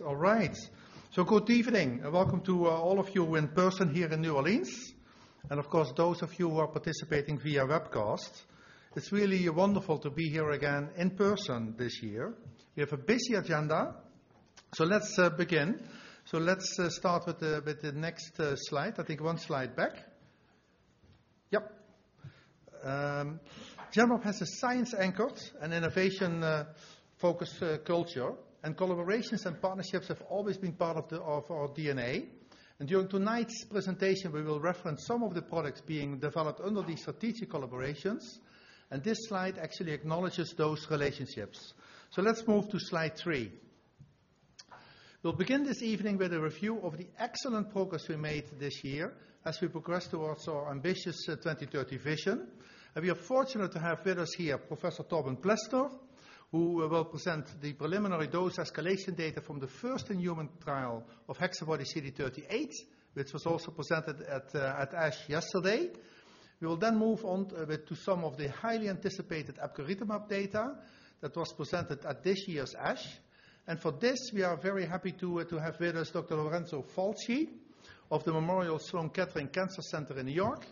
Yes. All right. Good evening, and welcome to all of you in person here in New Orleans, and of course, those of you who are participating via webcast. It's really wonderful to be here again in person this year. We have a busy agenda, let's begin. Let's start with the next slide. I think one slide back. Yep. Genmab has a science-anchored and innovation focused culture, and collaborations and partnerships have always been part of our DNA. During tonight's presentation, we will reference some of the products being developed under these strategic collaborations, this slide actually acknowledges those relationships. Let's move to slide three. We'll begin this evening with a review of the excellent progress we made this year as we progress towards our ambitious 2030 vision. We are fortunate to have with us here Professor Torben Plesner, who will present the preliminary dose escalation data from the first in-human trial of HexaBody-CD38, which was also presented at ASH yesterday. We will then move on to some of the highly anticipated epcoritamab data that was presented at this year's ASH. For this, we are very happy to have with us Dr. Lorenzo Falchi of the Memorial Sloan Kettering Cancer Center in New York.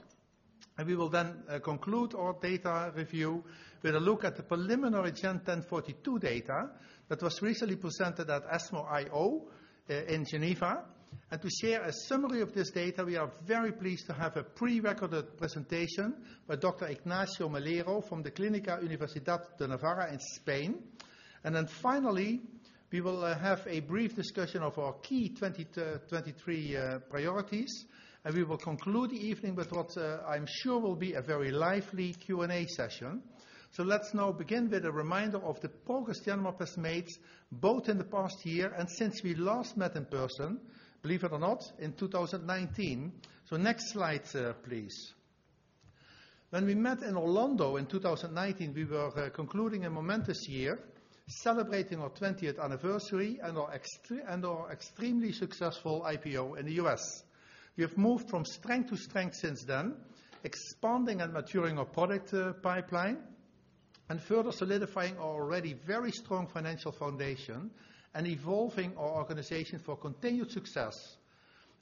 We will then conclude our data review with a look at the preliminary GEN1042 data that was recently presented at ESMO IO in Geneva. To share a summary of this data, we are very pleased to have a pre-recorded presentation by Dr. Ignacio Melero from the Clínica Universidad de Navarra in Spain. Finally, we will have a brief discussion of our key 2023 priorities, and we will conclude the evening with what I'm sure will be a very lively Q&A session. Let's now begin with a reminder of the progress Genmab has made, both in the past year and since we last met in person, believe it or not, in 2019. Next slide, sir, please. When we met in Orlando in 2019, we were concluding a momentous year, celebrating our 20th anniversary and our extremely successful IPO in the US. We have moved from strength to strength since then, expanding and maturing our product pipeline and further solidifying our already very strong financial foundation and evolving our organization for continued success.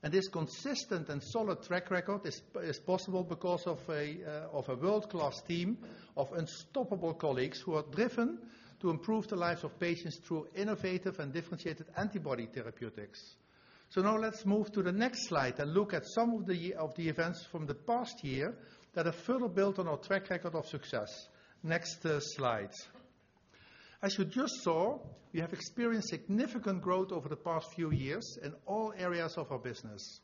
This consistent and solid track record is possible because of a of a world-class team of unstoppable colleagues who are driven to improve the lives of patients through innovative and differentiated antibody therapeutics. Now let's move to the next slide and look at some of the, of the events from the past year that have further built on our track record of success. Next, slide. As you just saw, we have experienced significant growth over the past few years in all areas of our business.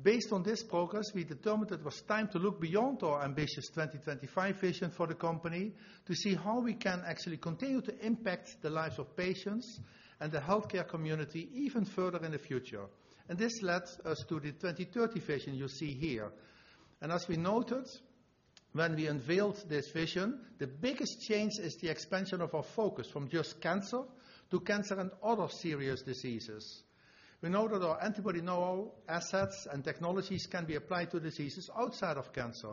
Based on this progress, we determined it was time to look beyond our ambitious 2025 vision for the company to see how we can actually continue to impact the lives of patients and the healthcare community even further in the future. This led us to the 2030 vision you see here. As we noted when we unveiled this vision, the biggest change is the expansion of our focus from just cancer to cancer and other serious diseases. We know that our antibody novel assets and technologies can be applied to diseases outside of cancer.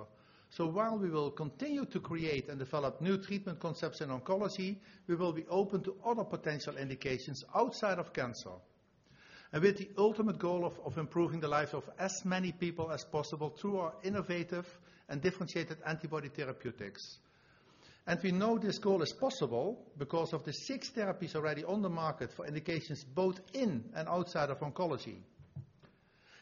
While we will continue to create and develop new treatment concepts in oncology, we will be open to other potential indications outside of cancer, with the ultimate goal of improving the lives of as many people as possible through our innovative and differentiated antibody therapeutics. We know this goal is possible because of the 6 therapies already on the market for indications both in and outside of oncology.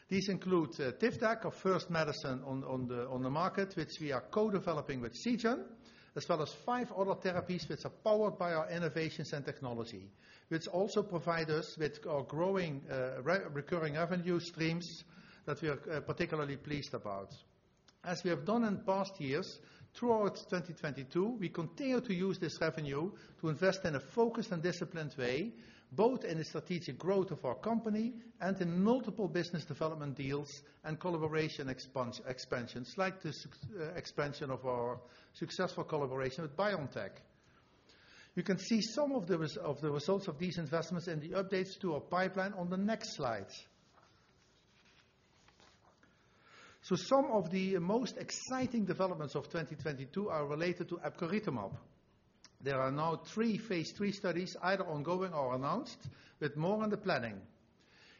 These include TIVDAK, our first medicine on the market, which we are co-developing with Seagen, as well as five other therapies which are powered by our innovations and technology, which also provide us with our growing recurring revenue streams that we are particularly pleased about. As we have done in past years, throughout 2022, we continued to use this revenue to invest in a focused and disciplined way, both in the strategic growth of our company and in multiple business development deals and collaboration expansions, like the expansion of our successful collaboration with BioNTech. You can see some of the results of these investments in the updates to our pipeline on the next slide. Some of the most exciting developments of 2022 are related to epcoritamab. There are now three phase III studies either ongoing or announced with more in the planning.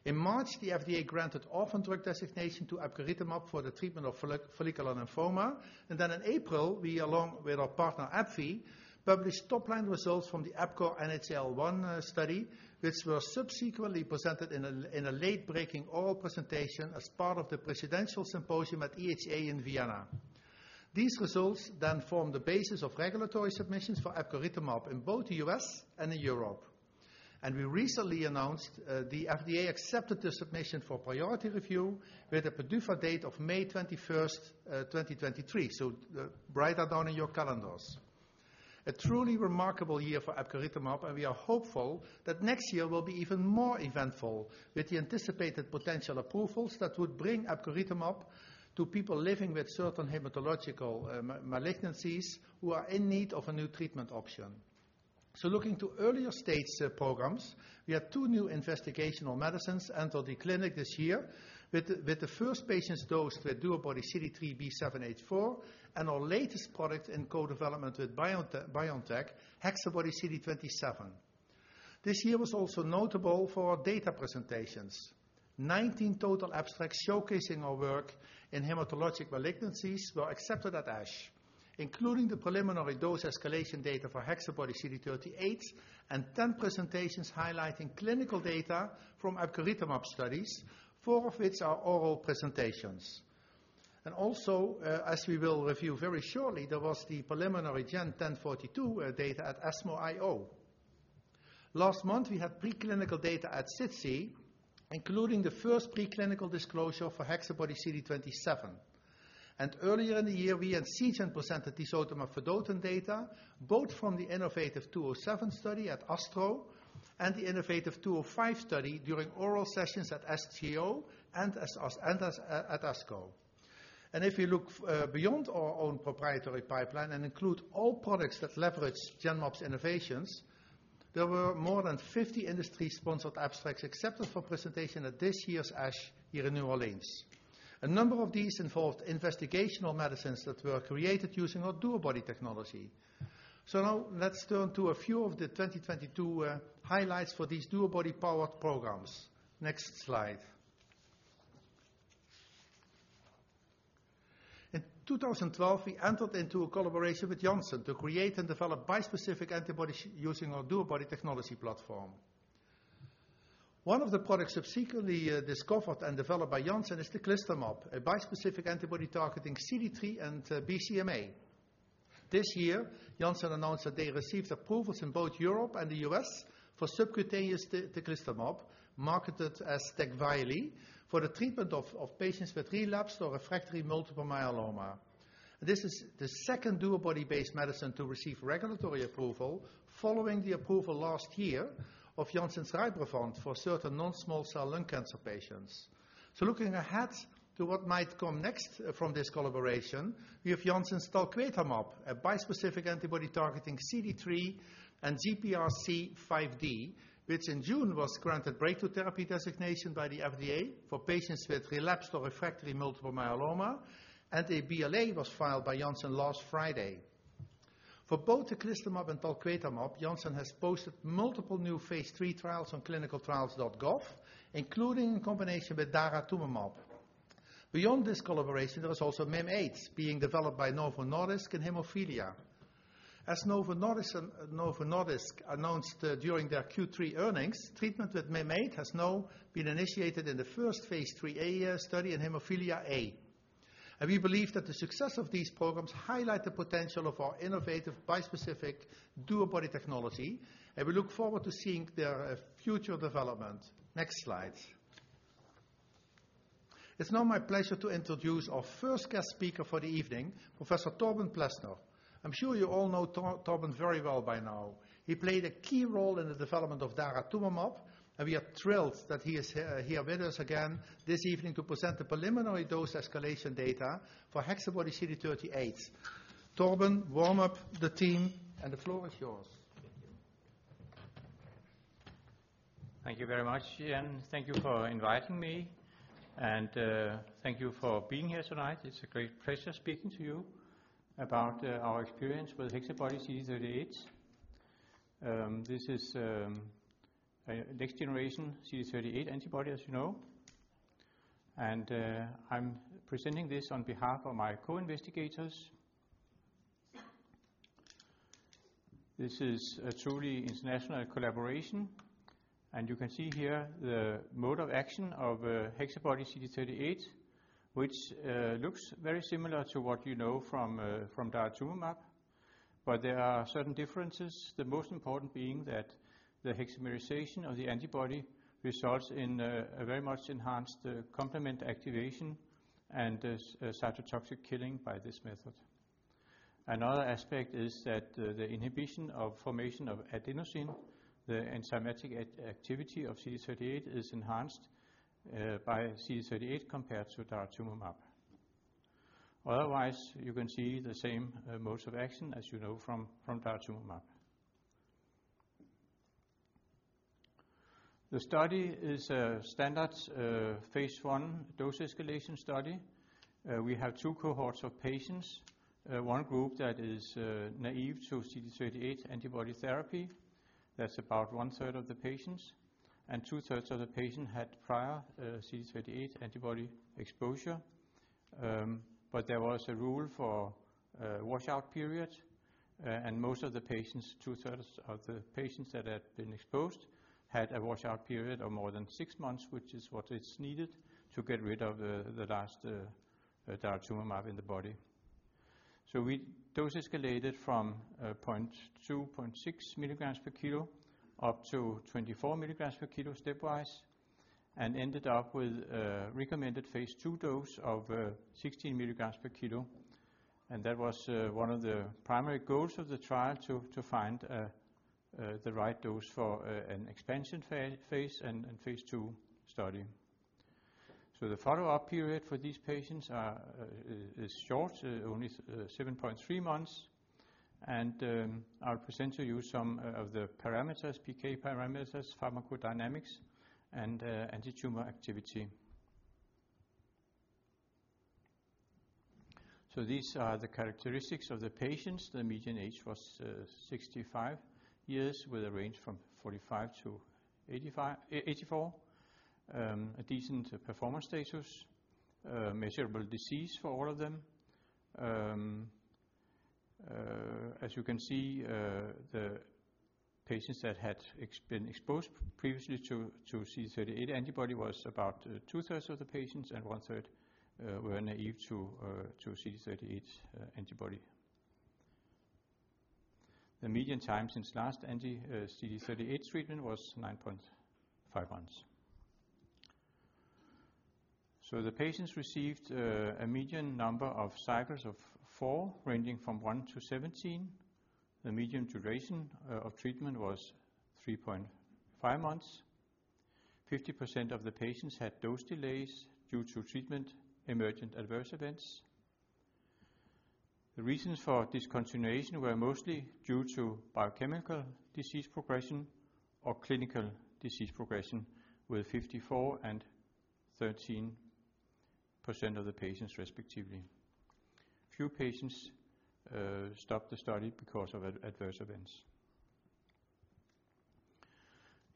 In March, the FDA granted orphan drug designation to epcoritamab for the treatment of follicular lymphoma. In April, we along with our partner AbbVie, published top-line results from the EPCORE NHL-1 study, which were subsequently presented in a late-breaking oral presentation as part of the Presidential Symposium at EHA in Vienna. These results form the basis of regulatory submissions for epcoritamab in both the US and in Europe. We recently announced the FDA accepted the submission for priority review with a PDUFA date of May 21st, 2023, write that down in your calendars. A truly remarkable year for epcoritamab, and we are hopeful that next year will be even more eventful with the anticipated potential approvals that would bring epcoritamab to people living with certain hematological malignancies who are in need of a new treatment option. Looking to earlier stage programs, we had 2 new investigational medicines enter the clinic this year with the 1st patients dosed with DuoBody-CD3xB7H4 and our latest product in co-development with BioNTech, HexaBody-CD27. This year was also notable for our data presentations. 19 total abstracts showcasing our work in hematologic malignancies were accepted at ASH, including the preliminary dose escalation data for HexaBody-CD38 and 10 presentations highlighting clinical data from Eculizumab studies, four of which are oral presentations. Also, as we will review very shortly, there was the preliminary GEN1042 data at ESMO IO. Last month, we had preclinical data at SITC, including the first preclinical disclosure for HexaBody-CD27. Earlier in the year, we and Seagen presented tisotumab vedotin data, both from the innovaTV 207 study at ASTRO and the innovaTV 205 study during oral sessions at SGO and ASCO. If you look beyond our own proprietary pipeline and include all products that leverage Genmab's innovations, there were more than 50 industry-sponsored abstracts accepted for presentation at this year's ASH here in New Orleans. A number of these involved investigational medicines that were created using our DuoBody technology. Now let's turn to a few of the 2022 highlights for these DuoBody-powered programs. Next slide. In 2012, we entered into a collaboration with Janssen to create and develop bispecific antibodies using our DuoBody technology platform. One of the products subsequently discovered and developed by Janssen is Teclistamab, a bispecific antibody targeting CD3 and BCMA. This year, Janssen announced that they received approvals in both Europe and the U.S. for subcutaneous Teclistamab, marketed as Tecvayli, for the treatment of patients with relapsed or refractory multiple myeloma. This is the second DuoBody based medicine to receive regulatory approval following the approval last year of Janssen's Rybrevant for certain non-small cell lung cancer patients. Looking ahead to what might come next from this collaboration, we have Janssen's Talquetamab, a bispecific antibody targeting CD3 and GPRC5D, which in June was granted breakthrough therapy designation by the FDA for patients with relapsed or refractory multiple myeloma, and a BLA was filed by Janssen last Friday. For both Teclistamab and Talquetamab, Janssen has posted multiple new phase III trials on ClinicalTrials.gov, including in combination with Daratumumab. Beyond this collaboration, there was also Mim8 being developed by Novo Nordisk in hemophilia. As Novo Nordisk announced during their Q3 earnings, treatment with Mim8 has now been initiated in the first phase III- study in hemophilia A. We believe that the success of these programs highlight the potential of our innovative bispecific DuoBody technology, and we look forward to seeing their future development. Next slide. It's now my pleasure to introduce our first guest speaker for the evening, Professor Torben Plesner. I'm sure you all know Torben very well by now. He played a key role in the development of daratumumab, and we are thrilled that he is here with us again this evening to present the preliminary dose escalation data for HexaBody-CD38. Torben, warm up the team and the floor is yours. Thank you. Thank you very much, Ian. Thank you for inviting me, thank you for being here tonight. It's a great pleasure speaking to you about our experience with HexaBody-CD38. This is a next generation CD38 antibody, as you know. I'm presenting this on behalf of my co-investigators. This is a truly international collaboration, you can see here the mode of action of HexaBody-CD38, which looks very similar to what you know from daratumumab, there are certain differences, the most important being that the hexamerization of the antibody results in a very much enhanced complement activation and a cytotoxic killing by this method. Another aspect is that the inhibition of formation of adenosine, the enzymatic activity of CD38 is enhanced by CD38 compared to daratumumab. Otherwise, you can see the same modes of action as you know from Daratumumab. The study is a standard phase I dose escalation study. We have two cohorts of patients. One group that is naive to CD38 antibody therapy. That's about 1/3 of the patients, and 2/3 of the patient had prior CD38 antibody exposure. But there was a rule for a washout period, and most of the patients, 2/3 of the patients that had been exposed, had a washout period of more than six months, which is what is needed to get rid of the last Daratumumab in the body. We dose escalated from 0.2, 0.6 milligrams per kilo up to 24 milligrams per kilo stepwise and ended up with a recommended phase II dose of 16 milligrams per kilo. That was one of the primary goals of the trial to find the right dose for an expansion phase and phase II study. The follow-up period for these patients is short, only 7.3 months. I'll present to you some of the parameters, PK parameters, pharmacodynamics, and antitumor activity. These are the characteristics of the patients. The median age was 65 years with a range from 45 to 84. A decent performance status, measurable disease for all of them. As you can see, the patients that had been exposed previously to CD38 antibody was about two-thirds of the patients, and one-third were naive to CD38 antibody. The median time since last anti-CD38 treatment was 9.5 months. The patients received a median number of cycles of 4, ranging from 1 to 17. The median duration of treatment was 3.5 months. 50% of the patients had dose delays due to treatment emergent adverse events. The reasons for discontinuation were mostly due to biochemical disease progression or clinical disease progression, with 54% and 13% of the patients respectively. Few patients stopped the study because of adverse events.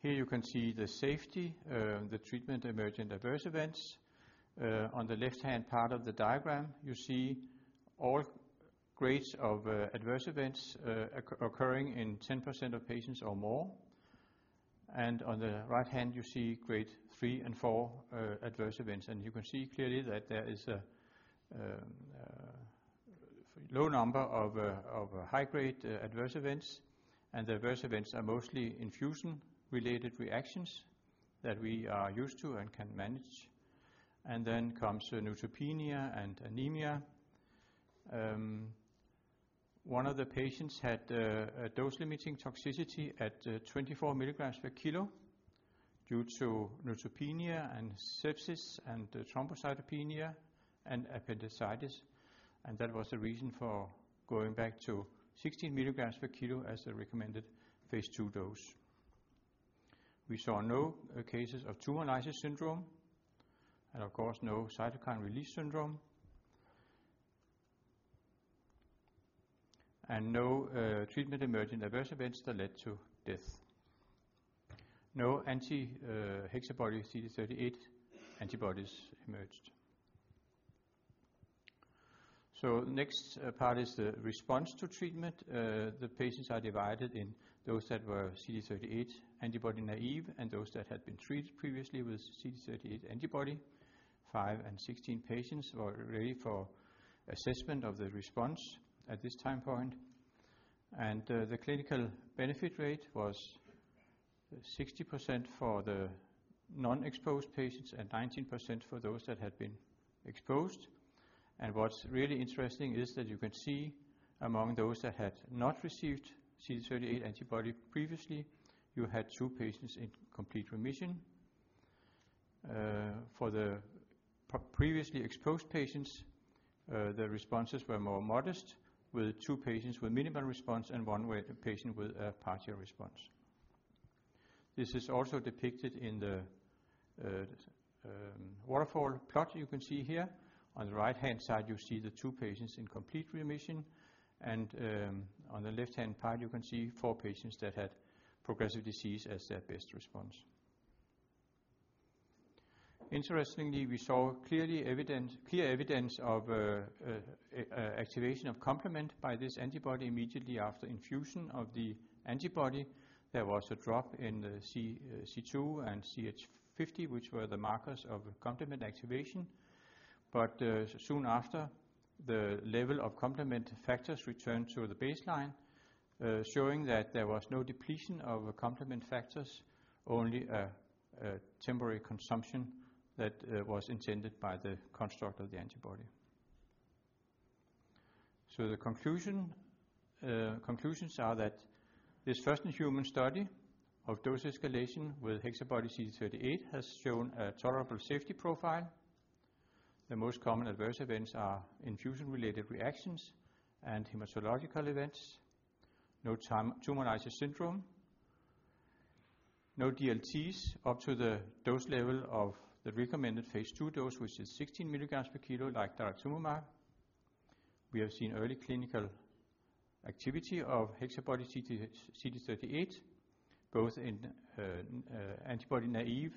Here you can see the safety, the treatment emergent adverse events. On the left-hand part of the diagram, you see all grades of adverse events occurring in 10% of patients or more. On the right hand, you see grade 3 and 4 adverse events. You can see clearly that there is a low number of high-grade adverse events, and the adverse events are mostly infusion-related reactions that we are used to and can manage. Then comes neutropenia and anemia. One of the patients had a dose-limiting toxicity at 24 milligrams per kilo due to neutropenia and sepsis and thrombocytopenia and appendicitis, and that was the reason for going back to 16 milligrams per kilo as the recommended phase II dose. We saw no cases of tumor lysis syndrome and of course no cytokine release syndrome. No treatment emergent adverse events that led to death. No anti-HexaBody-CD38 antibodies emerged. Next part is the response to treatment. The patients are divided in those that were CD38 antibody naive and those that had been treated previously with CD38 antibody. 5 and 16 patients were ready for assessment of the response at this time point. The clinical benefit rate was 60% for the non-exposed patients and 19% for those that had been exposed. What's really interesting is that you can see among those that had not received CD38 antibody previously, you had 2 patients in complete remission. For the previously exposed patients, their responses were more modest, with 2 patients with minimal response and 1 patient with a partial response. This is also depicted in the waterfall plot you can see here. On the right-hand side, you see the 2 patients in complete remission, and on the left-hand part, you can see 4 patients that had progressive disease as their best response. Interestingly, we saw clear evidence of activation of complement by this antibody immediately after infusion of the antibody. There was a drop in the C2 and CH50, which were the markers of complement activation. Soon after, the level of complement factors returned to the baseline, showing that there was no depletion of complement factors, only a temporary consumption that was intended by the construct of the antibody. The conclusion, conclusions are that this first-in-human study of dose escalation with HexaBody-CD38 has shown a tolerable safety profile. The most common adverse events are infusion-related reactions and hematological events. No tumor lysis syndrome. No DLTs up to the dose level of the recommended phase II dose, which is 16 milligrams per kilo like daratumumab. We have seen early clinical activity of HexaBody-CD38, both in CD38 antibody naive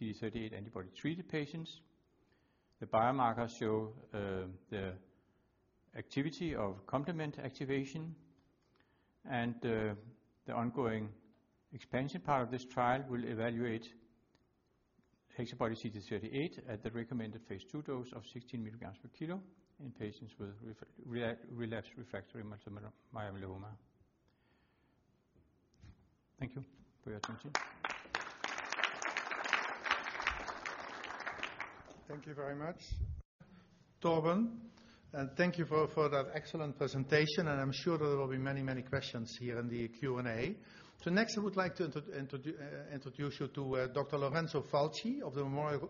and CD38 antibody-treated patients. The biomarkers show the activity of complement activation. The ongoing expansion part of this trial will evaluate HexaBody-CD38 at the recommended phase II dose of 16 milligrams per kilo in patients with relapsed refractory multiple myeloma. Thank you for your attention. Thank you very much, Torben, and thank you for that excellent presentation. I'm sure there will be many questions here in the Q&A. Next, I would like to introduce you to Dr. Lorenzo Falchi of the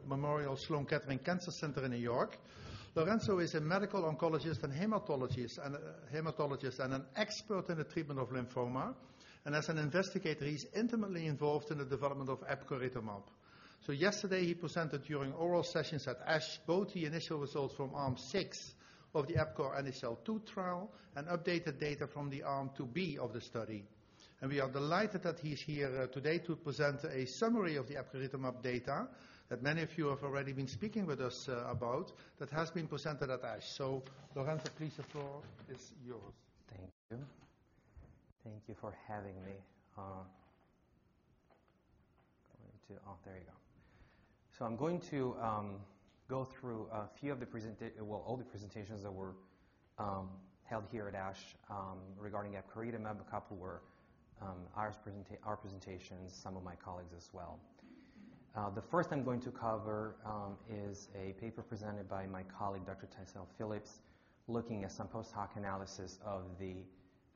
Memorial Sloan Kettering Cancer Center in New York. Lorenzo is a medical oncologist and hematologist, and a hematologist, and an expert in the treatment of lymphoma. As an investigator, he's intimately involved in the development of epcoritamab. So yesterday he presented during oral sessions at ASH both the initial results from arm 6 of the EPCORE NHL-2 trial and updated data from the arm 2B of the study. We are delighted that he's here today to present a summary of the epcoritamab data that many of you have already been speaking with us about that has been presented at ASH. Lorenzo, please, the floor is yours. Thank you. Thank you for having me. Oh, there you go. I'm going to go through Well, all the presentations that were held here at ASH regarding epcoritamab couple were our presentations, some of my colleagues as well. The first I'm going to cover is a paper presented by my colleague, Dr. Tycel Phillips, looking at some post-hoc analysis of the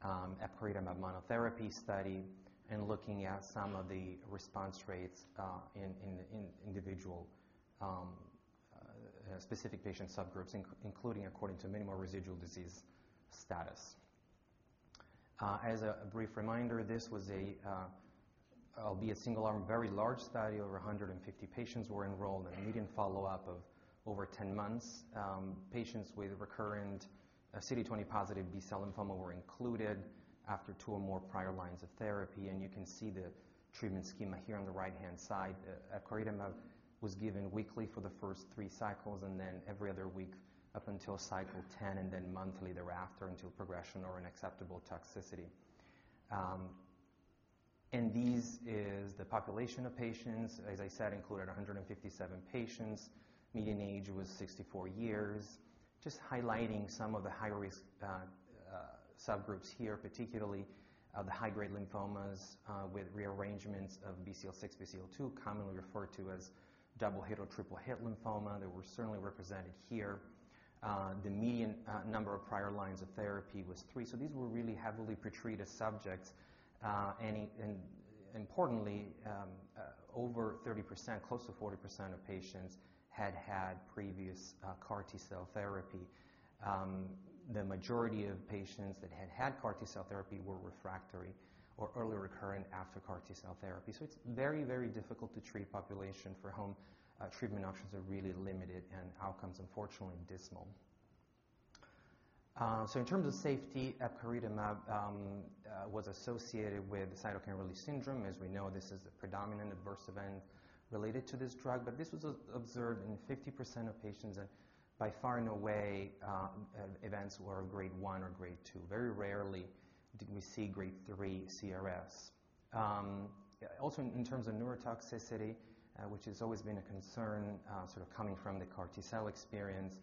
epcoritamab monotherapy study and looking at some of the response rates in individual specific patient subgroups, including according to minimal residual disease status. As a brief reminder, this was a, albeit a single arm, very large study. Over 150 patients were enrolled in a median follow-up of over 10 months. Patients with recurrent CD20-positive B-cell lymphoma were included after two or more prior lines of therapy, and you can see the treatment schema here on the right-hand side. Epcoritamab was given weekly for the first three cycles and then every other week up until cycle 10, and then monthly thereafter until progression or an acceptable toxicity. This is the population of patients, as I said, included 157 patients. Median age was 64 years. Just highlighting some of the high-risk subgroups here, particularly the high-grade lymphomas with rearrangements of BCL6, BCL2, commonly referred to as double-hit or triple-hit lymphoma. They were certainly represented here. The median number of prior lines of therapy was three. These were really heavily pretreated subjects. Importantly, over 30%, close to 40% of patients had had previous CAR T-cell therapy. The majority of patients that had had CAR T-cell therapy were refractory or early recurrent after CAR T-cell therapy. It's very, very difficult to treat population for treatment options are really limited and outcomes unfortunately dismal. In terms of safety, epcoritamab was associated with cytokine release syndrome. As we know, this is the predominant adverse event related to this drug. This was observed in 50% of patients and by far in a way, events were grade 1 or grade 2. Very rarely did we see grade 3 CRS. Also in terms of neurotoxicity, which has always been a concern, sort of coming from the CAR T-cell experience,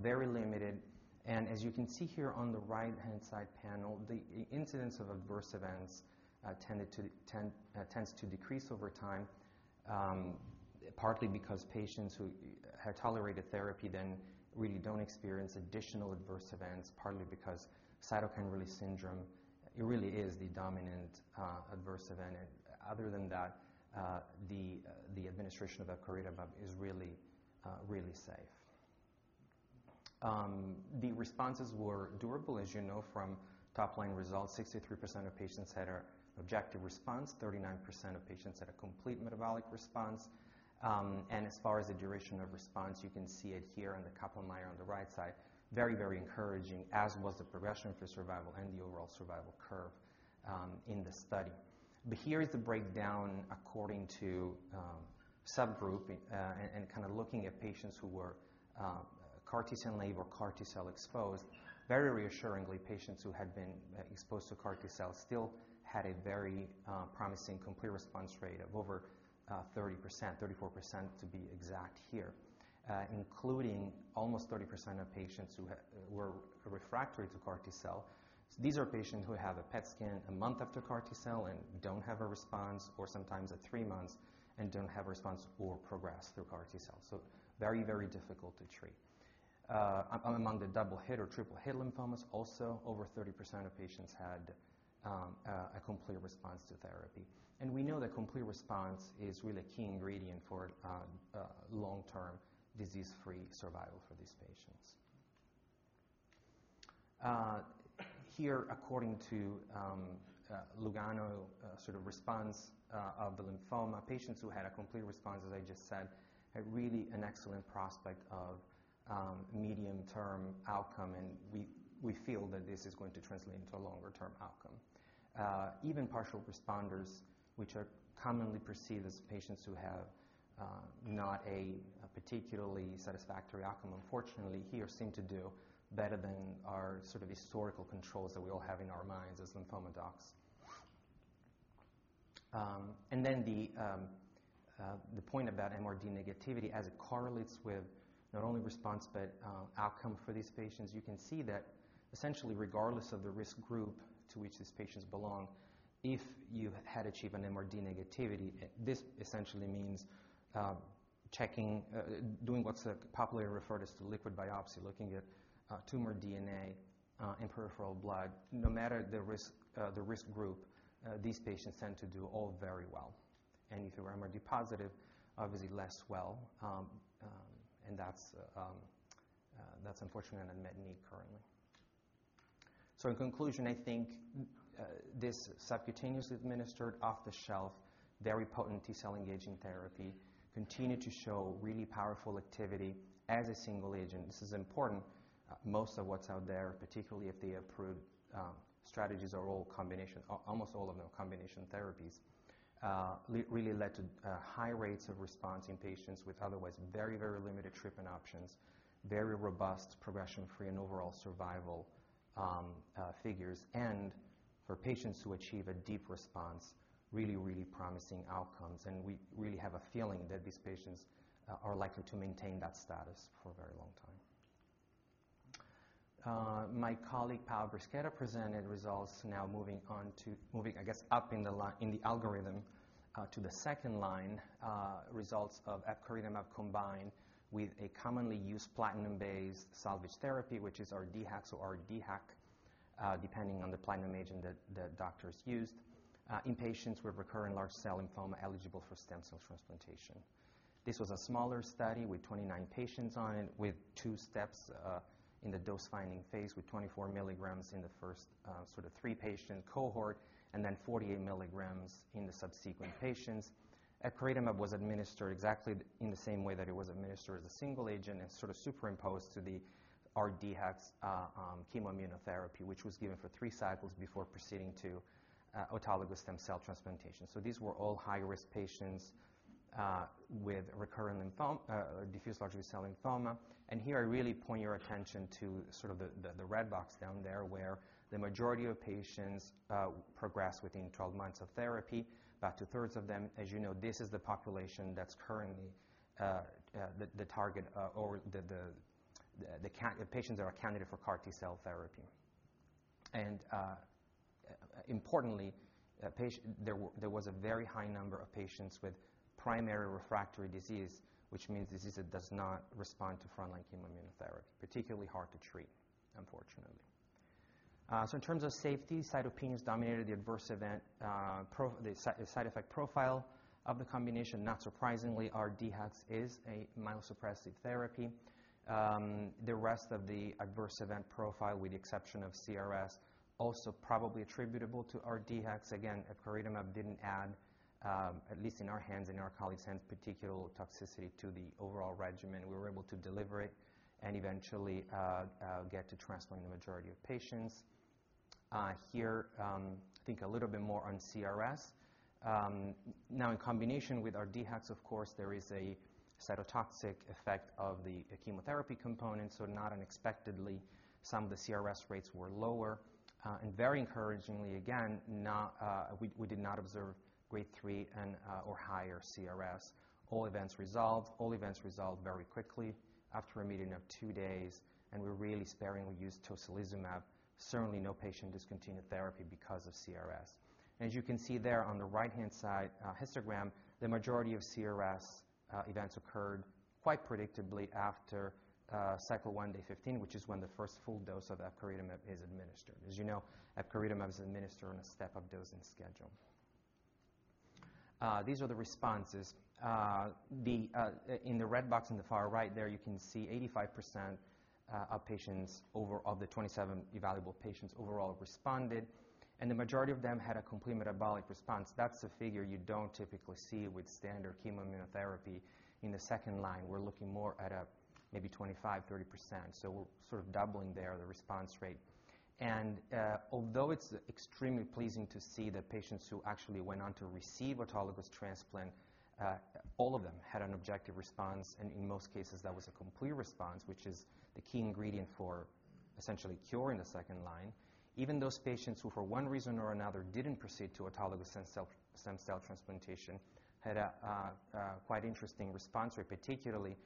very limited. As you can see here on the right-hand side panel, the incidence of adverse events tends to decrease over time, partly because patients who have tolerated therapy then really don't experience additional adverse events, partly because cytokine release syndrome, it really is the dominant adverse event. Other than that, the administration of epcoritamab is really really safe. The responses were durable, as you know from top-line results. 63% of patients had a objective response, 39% of patients had a complete metabolic response. As far as the duration of response, you can see it here on the Kaplan-Meier on the right side, very, very encouraging, as was the progression for survival and the overall survival curve in the study. Here is the breakdown according to subgroup, and kind of looking at patients who were CAR T-cell naive or CAR T-cell exposed. Very reassuringly, patients who had been exposed to CAR T-cell still had a very promising complete response rate of over 30%, 34% to be exact here, including almost 30% of patients who were refractory to CAR T-cell. These are patients who have a PET scan a month after CAR T-cell and don't have a response, or sometimes at three months and don't have response or progress through CAR T-cell. Very, very difficult to treat. Among the double hit or triple hit lymphomas, also over 30% of patients had a complete response to therapy. We know that complete response is really a key ingredient for long-term disease-free survival for these patients. Here according to Lugano, sort of response of the lymphoma, patients who had a complete response, as I just said, had really an excellent prospect of medium-term outcome, and we feel that this is going to translate into a longer-term outcome. Even partial responders, which are commonly perceived as patients who have not a particularly satisfactory outcome, unfortunately here seem to do better than our sort of historical controls that we all have in our minds as lymphoma docs. And then the point about MRD negativity as it correlates with not only response but outcome for these patients. You can see that essentially regardless of the risk group to which these patients belong, if you had achieved an MRD negativity, this essentially means, checking, doing what's popularly referred as to liquid biopsy, looking at tumor DNA, in peripheral blood. No matter the risk, the risk group, these patients tend to do all very well. If you were MRD positive, obviously less well, and that's unfortunately an unmet need currently. In conclusion, I think this subcutaneous administered off-the-shelf, very potent T-cell engaging therapy continued to show really powerful activity as a single agent. This is important. Most of what's out there, particularly if the approved strategies are all combination-- almost all of them are combination therapies, really led to high rates of response in patients with otherwise very limited treatment options, very robust progression-free and overall survival figures. For patients who achieve a deep response, really promising outcomes. We really have a feeling that these patients are likely to maintain that status for a very long time. My colleague, Paolo Caimi, presented results now moving on to moving, I guess, up in the algorithm, to the second line, results of epcoritamab combined with a commonly used platinum-based salvage therapy, which is R-DHAX or R-DHAC, depending on the platinum agent that the doctors used, in patients with recurrent large cell lymphoma eligible for stem cell transplantation. This was a smaller study with 29 patients on it, with 2 steps in the dose finding phase, with 24 mg in the first sort of three-patient cohort, and then 48 mg in the subsequent patients. Epcoritamab was administered exactly in the same way that it was administered as a single agent and sort of superimposed to the R-DHAX chemoimmunotherapy, which was given for three cycles before proceeding to autologous stem cell transplantation. These were all high-risk patients with recurrent Diffuse Large B-Cell Lymphoma. Here I really point your attention to sort of the red box down there, where the majority of patients progress within 12 months of therapy. About two-thirds of them, as you know, this is the population that's currently the target, or the patients that are a candidate for CAR T-cell therapy. Importantly, there was a very high number of patients with primary refractory disease, which means disease that does not respond to frontline chemoimmunotherapy. Particularly hard to treat, unfortunately. In terms of safety, cytopenias dominated the adverse event the side effect profile of the combination. Not surprisingly, R-DHAX is a immunosuppressive therapy. The rest of the adverse event profile, with the exception of CRS, also probably attributable to R-DHAX. Epcoritamab didn't add, at least in our hands and in our colleagues' hands, particular toxicity to the overall regimen. We were able to deliver it and eventually get to transplanting the majority of patients. Here, I think a little bit more on CRS. Now in combination with R-DHAX, of course, there is a cytotoxic effect of the chemotherapy component, so not unexpectedly, some of the CRS rates were lower. Very encouragingly, again, we did not observe grade 3 and or higher CRS. All events resolved. All events resolved very quickly after a median of 2 days, and we're really sparingly used tocilizumab. Certainly, no patient discontinued therapy because of CRS. As you can see there on the right-hand side, histogram, the majority of CRS events occurred quite predictably after cycle 1, day 15, which is when the first full dose of epcoritamab is administered. As you know, epcoritamab is administered on a step-up dosing schedule. These are the responses. The in the red box in the far right there, you can see 85% of patients of the 27 evaluable patients overall responded, and the majority of them had a complete metabolic response. That's a figure you don't typically see with standard chemoimmunotherapy. In the second line, we're looking more at a maybe 25%-30%, so we're sort of doubling there the response rate. Although it's extremely pleasing to see the patients who actually went on to receive autologous transplant, all of them had an objective response, and in most cases, that was a complete response, which is the key ingredient for essentially curing the second line. Even those patients who, for one reason or another, didn't proceed to autologous stem cell transplantation had a quite interesting response rate, particularly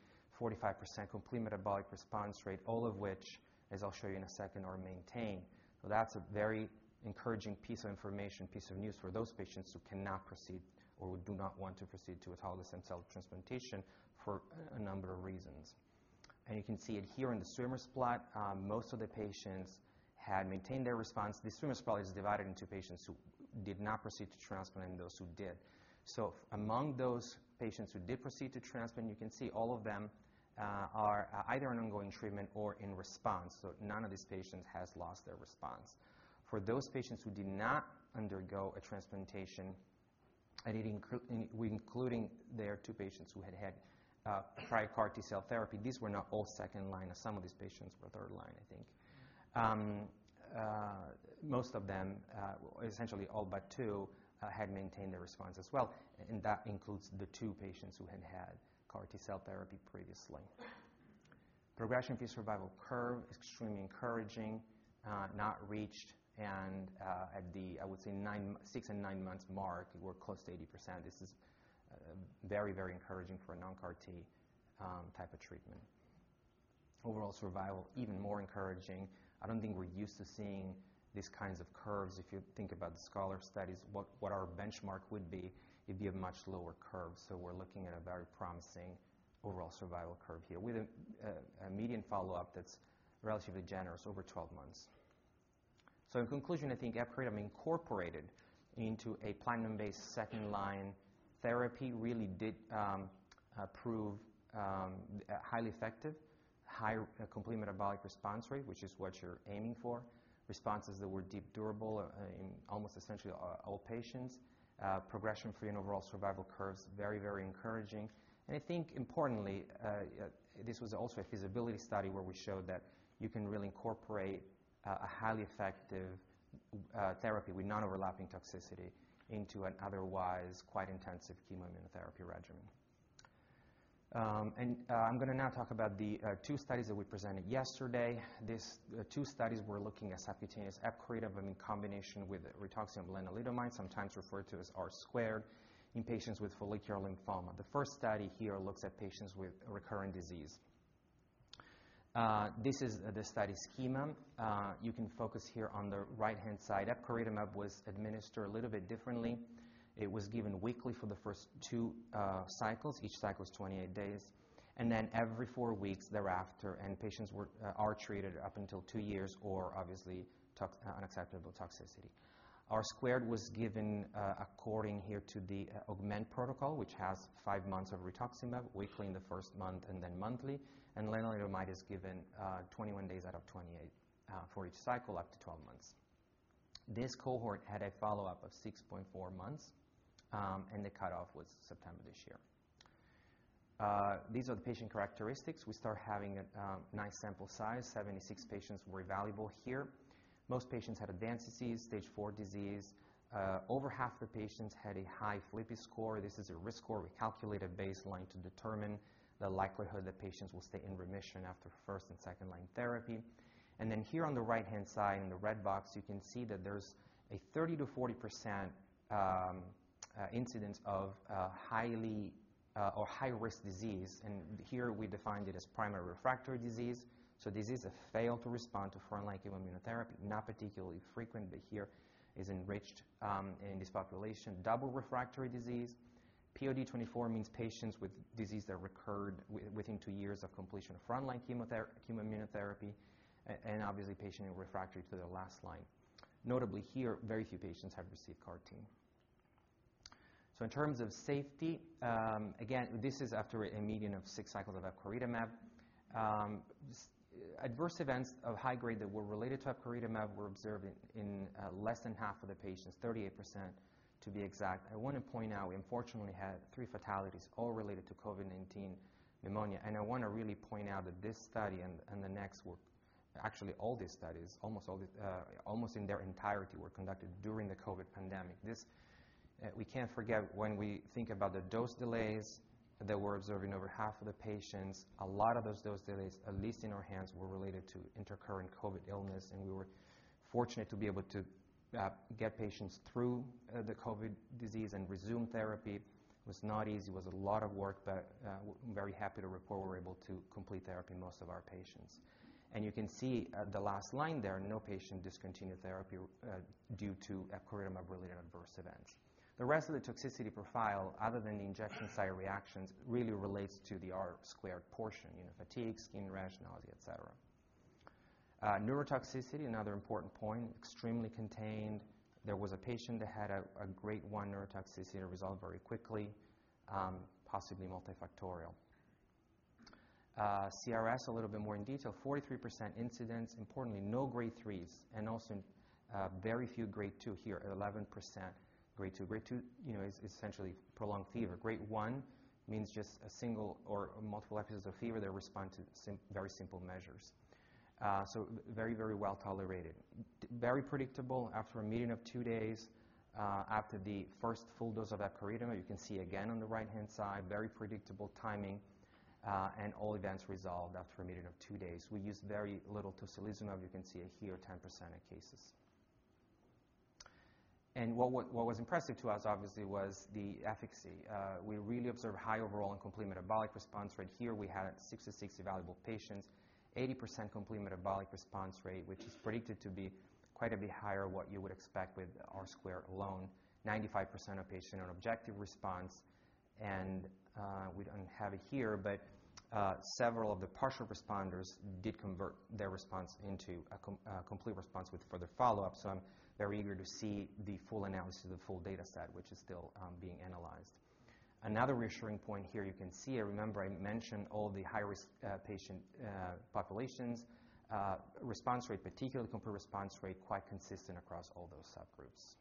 45% complete metabolic response rate, all of which, as I'll show you in a second, are maintained. That's a very encouraging piece of information, piece of news for those patients who cannot proceed or who do not want to proceed to autologous stem cell transplantation for a number of reasons. You can see it here in the swimmer plot. Most of the patients had maintained their response. The swimmer plot is divided into patients who did not proceed to transplant and those who did. Among those patients who did proceed to transplant, you can see all of them are either on ongoing treatment or in response. None of these patients has lost their response. For those patients who did not undergo a transplantation, including two patients who had prior CAR T-cell therapy, these were not all second line, as some of these patients were third line, I think. Most of them, essentially all but two, had maintained their response as well, and that includes the two patients who had CAR T-cell therapy previously. Progression-free survival curve, extremely encouraging, not reached and, at the, I would say 6 and 9 months mark, we're close to 80%. This is very, very encouraging for a non-CAR T type of treatment. Overall survival, even more encouraging. I don't think we're used to seeing these kinds of curves. If you think about the SCHOLAR studies, what our benchmark would be, it'd be a much lower curve. We're looking at a very promising overall survival curve here with a median follow-up that's relatively generous over 12 months. In conclusion, I think epcoritamab incorporated into a platinum-based second-line therapy really did prove highly effective. Higher complete metabolic response rate, which is what you're aiming for. Responses that were deep durable in almost essentially all patients. Progression-free and overall survival curves, very encouraging. I think importantly, this was also a feasibility study where we showed that you can really incorporate a highly effective therapy with non-overlapping toxicity into an otherwise quite intensive chemoimmunotherapy regimen. I'm gonna now talk about the two studies that we presented yesterday. The two studies were looking at subcutaneous epcoritamab in combination with rituximab lenalidomide, sometimes referred to as R-squared, in patients with follicular lymphoma. The first study here looks at patients with recurring disease. This is the study schema. You can focus here on the right-hand side. Epcoritamab was administered a little bit differently. It was given weekly for the first two cycles. Each cycle is 28 days, and then every four weeks thereafter, patients are treated up until two years or unacceptable toxicity. R-squared was given, according here to the AUGMENT protocol, which has five months of rituximab, weekly in the first month and then monthly. Lenalidomide is given, 21 days out of 28, for each cycle up to 12 months. This cohort had a follow-up of 6.4 months, and the cutoff was September this year. These are the patient characteristics. We start having a, nice sample size. 76 patients were evaluable here. Most patients had advanced disease, stage 4 disease. Over half the patients had a high FLIPI score. This is a risk score we calculate at baseline to determine the likelihood that patients will stay in remission after first and second-line therapy. Here on the right-hand side in the red box, you can see that there's a 30%-40% incidence of highly or high-risk disease. Here we defined it as primary refractory disease. Disease that failed to respond to frontline chemoimmunotherapy, not particularly frequent, but here is enriched in this population. Double refractory disease. POD 24 means patients with disease that recurred within two years of completion of frontline chemoimmunotherapy, and obviously patient refractory to the last line. Notably here, very few patients have received CAR T. In terms of safety, again, this is after a median of six cycles of epcoritamab. Adverse events of high grade that were related to epcoritamab were observed in less than half of the patients, 38% to be exact. I wanna point out we unfortunately had three fatalities, all related to COVID-19 pneumonia. I wanna really point out that this study and the next were actually all these studies, almost all the, almost in their entirety, were conducted during the COVID pandemic. This we can't forget when we think about the dose delays that were observed in over half of the patients. A lot of those dose delays, at least in our hands, were related to intercurrent COVID illness, and we were fortunate to be able to get patients through the COVID disease and resume therapy. It was not easy, it was a lot of work, but very happy to report we were able to complete therapy in most of our patients. You can see at the last line there, no patient discontinued therapy due to epcoritamab-related adverse events. The rest of the toxicity profile, other than the injection site reactions, really relates to the R-squared portion, you know, fatigue, skin rash, nausea, et cetera. Neurotoxicity, another important point, extremely contained. There was a patient that had a grade 1 neurotoxicity that resolved very quickly, possibly multifactorial. CRS, a little more in detail, 43% incidence. Importantly, no grade 3s, and also, very few grade 2 here, at 11% grade 2. Grade 2, you know, is essentially prolonged fever. Grade one means just a single or multiple episodes of fever that respond to very simple measures. Very well-tolerated. Very predictable after a median of two days after the first full dose of epcoritamab. You can see again on the right-hand side, very predictable timing, all events resolved after a median of two days. We used very little tocilizumab. You can see it here, 10% of cases. What was impressive to us obviously was the efficacy. We really observed high overall and complete metabolic response rate. Here we had 66 evaluable patients, 80% complete metabolic response rate, which is predicted to be quite a bit higher what you would expect with R-squared alone. 95% of patients on objective response. We don't have it here, but several of the partial responders did convert their response into a complete response with further follow-up. I'm very eager to see the full analysis of the full data set, which is still being analyzed. Another reassuring point here you can see, I remember I mentioned all the high-risk patient populations, response rate, particularly complete response rate, quite consistent across all those subgroups.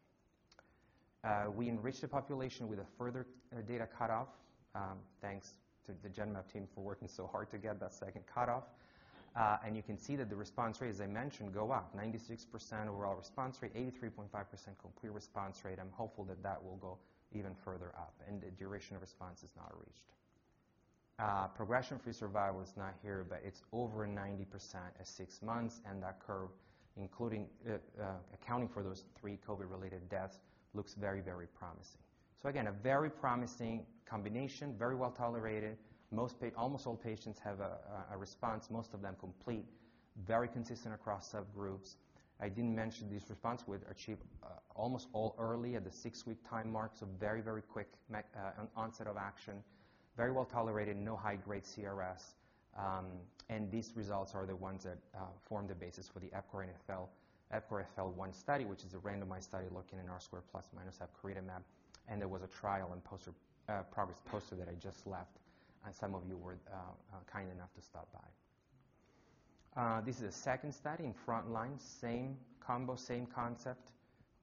We enriched the population with a further data cutoff, thanks to the Genmab team for working so hard to get that second cutoff. You can see that the response rate, as I mentioned, go up 96% overall response rate, 83.5% complete response rate. I'm hopeful that that will go even further up, and the duration of response is not reached. Progression-free survival is not here, but it's over 90% at six months, and that curve including accounting for those three COVID-related deaths, looks very, very promising. Again, a very promising combination, very well-tolerated. Almost all patients have a response, most of them complete, very consistent across subgroups. I didn't mention this response was achieved almost all early at the six-week time mark, so very, very quick onset of action. Very well-tolerated, no high-grade CRS. These results are the ones that form the basis for the EPCORE FL-1 study, which is a randomized study looking at R-squared plus minus epcoritamab. There was a trial and poster, progress poster that I just left, and some of you were kind enough to stop by. This is a second study in front line, same combo, same concept.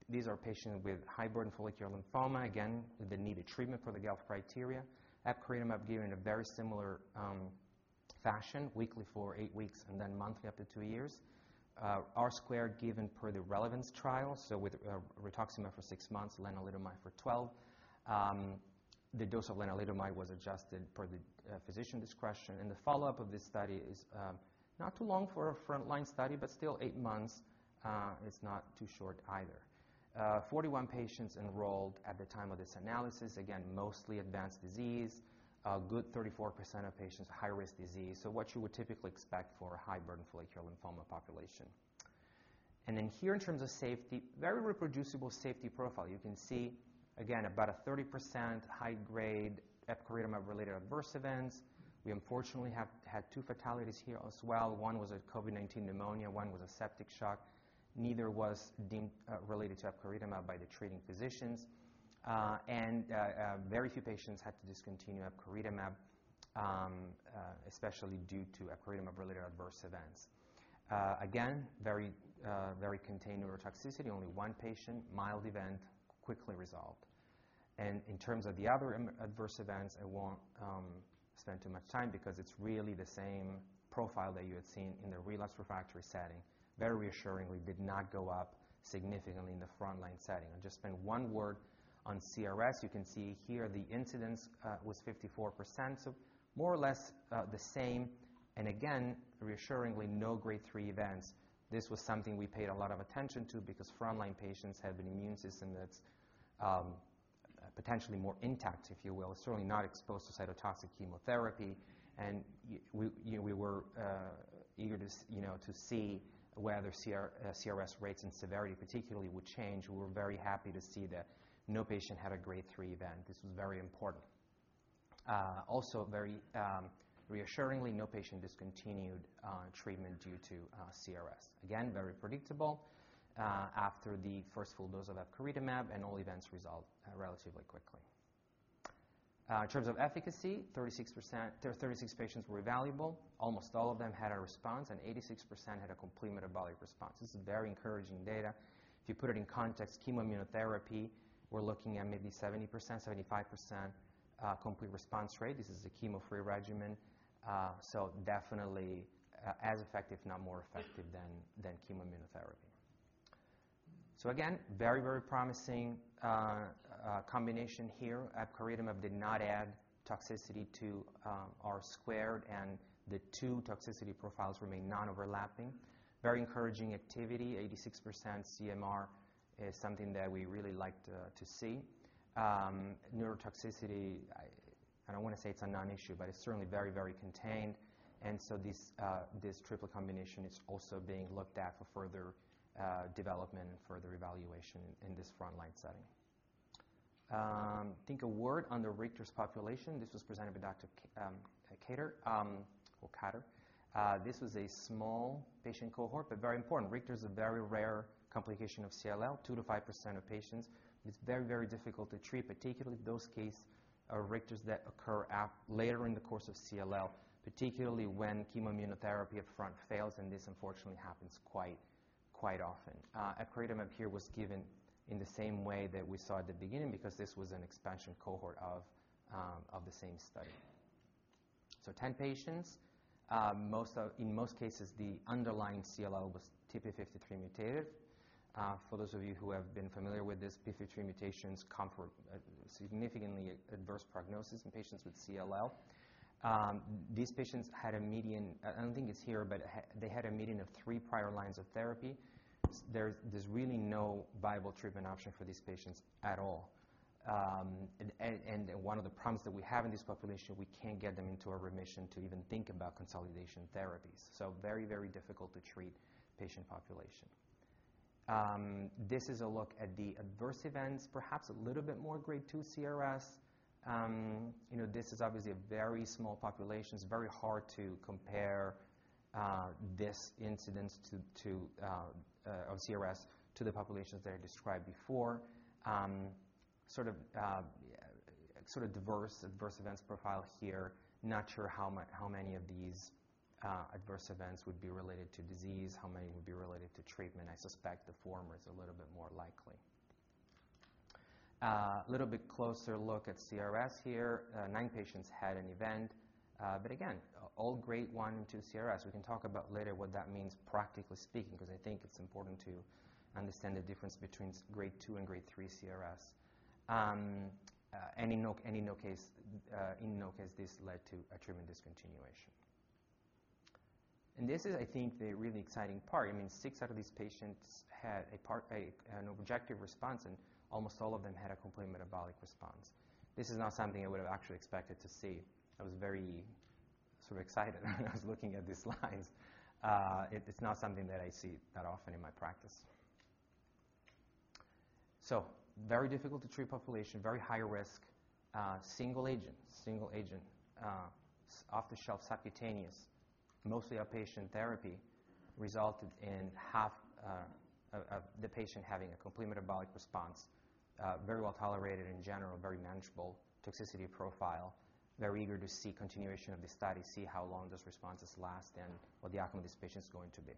These are patients with high burden follicular lymphoma, again, with the needed treatment for the GELF criteria. Epcoritamab given in a very similar fashion, weekly for eight weeks, and then monthly up to two years. R-squared given per the RELEVANCE trial, so with rituximab for six months, lenalidomide for 12. The dose of lenalidomide was adjusted per the physician discretion, and the follow-up of this study is not too long for a front line study, but still eight months is not too short either. 41 patients enrolled at the time of this analysis, again, mostly advanced disease. A good 34% of patients high risk disease, so what you would typically expect for a high burden follicular lymphoma population. Here in terms of safety, very reproducible safety profile. You can see again about a 30% high-grade epcoritamab-related adverse events. We unfortunately have had two fatalities here as well. One was a COVID-19 pneumonia, one was a septic shock. Neither was deemed related to epcoritamab by the treating physicians. Very few patients had to discontinue epcoritamab especially due to epcoritamab-related adverse events. Again, very contained neurotoxicity. Only one patient, mild event, quickly resolved. In terms of the other adverse events, I won't spend too much time because it's really the same profile that you had seen in the relapsed refractory setting. Very reassuringly did not go up significantly in the front line setting. I'll just spend one word on CRS. You can see here the incidence was 54%, so more or less the same. Again, reassuringly, no grade 3 events. This was something we paid a lot of attention to because frontline patients have an immune system that's potentially more intact, if you will. Certainly not exposed to cytotoxic chemotherapy, you know, we were eager to you know, to see whether CRS rates and severity particularly would change. We were very happy to see that no patient had a grade 3 event. This was very important. Also very reassuringly, no patient discontinued treatment due to CRS. Again, very predictable after the first full dose of epcoritamab, all events resolved relatively quickly. In terms of efficacy, 36 patients were evaluable. Almost all of them had a response, and 86% had a complete metabolic response. This is very encouraging data. If you put it in context, chemoimmunotherapy, we're looking at maybe 70%, 75% complete response rate. This is a chemo-free regimen. Definitely as effective, if not more effective than chemoimmunotherapy. Again, very promising combination here. Epcoritamab did not add toxicity to R-squared, the two toxicity profiles remain non-overlapping. Very encouraging activity. 86% CMR is something that we really like to see. Neurotoxicity, I don't wanna say it's a non-issue, but it's certainly very contained, this triple combination is also being looked at for further development and further evaluation in this front line setting. I think a word on the Richter's population. This was presented by Dr. Cater, or Cater. This was a small patient cohort, but very important. Richter's a very rare complication of CLL. 2%-5% of patients. It's very, very difficult to treat, particularly those case, Richters that occur at later in the course of CLL, particularly when chemoimmunotherapy up front fails, and this unfortunately happens quite often. Epcoritamab here was given in the same way that we saw at the beginning because this was an expansion cohort of the same study. 10 patients, in most cases, the underlying CLL was TP53 mutated. For those of you who have been familiar with this, p53 mutations come for significantly adverse prognosis in patients with CLL. These patients had a median... I don't think it's here, but they had a median of three prior lines of therapy. There's really no viable treatment option for these patients at all. One of the problems that we have in this population, we can't get them into a remission to even think about consolidation therapies. Very difficult to treat patient population. This is a look at the adverse events, perhaps a little bit more grade 2 CRS. You know, this is obviously a very small population. It's very hard to compare this incidence of CRS to the populations that I described before. Sort of diverse adverse events profile here. Not sure how many of these adverse events would be related to disease, how many would be related to treatment. I suspect the former is a little bit more likely. Little bit closer look at CRS here. nine patients had an event, but again, all grade 1 and 2 CRS. We can talk about later what that means practically speaking, because I think it's important to understand the difference between grade 2 and grade 3 CRS. And in no case, in no case this led to a treatment discontinuation. This is I think the really exciting part. I mean, six out of these patients had an objective response, and almost all of them had a complete metabolic response. This is not something I would've actually expected to see. I was very sort of excited when I was looking at these lines. It's not something that I see that often in my practice. Very difficult to treat population, very high risk, off-the-shelf subcutaneous, mostly outpatient therapy. Resulted in half the patient having a complete metabolic response. Very well tolerated in general, very manageable toxicity profile. Very eager to see continuation of the study, see how long those responses last and what the outcome of this patient is going to be.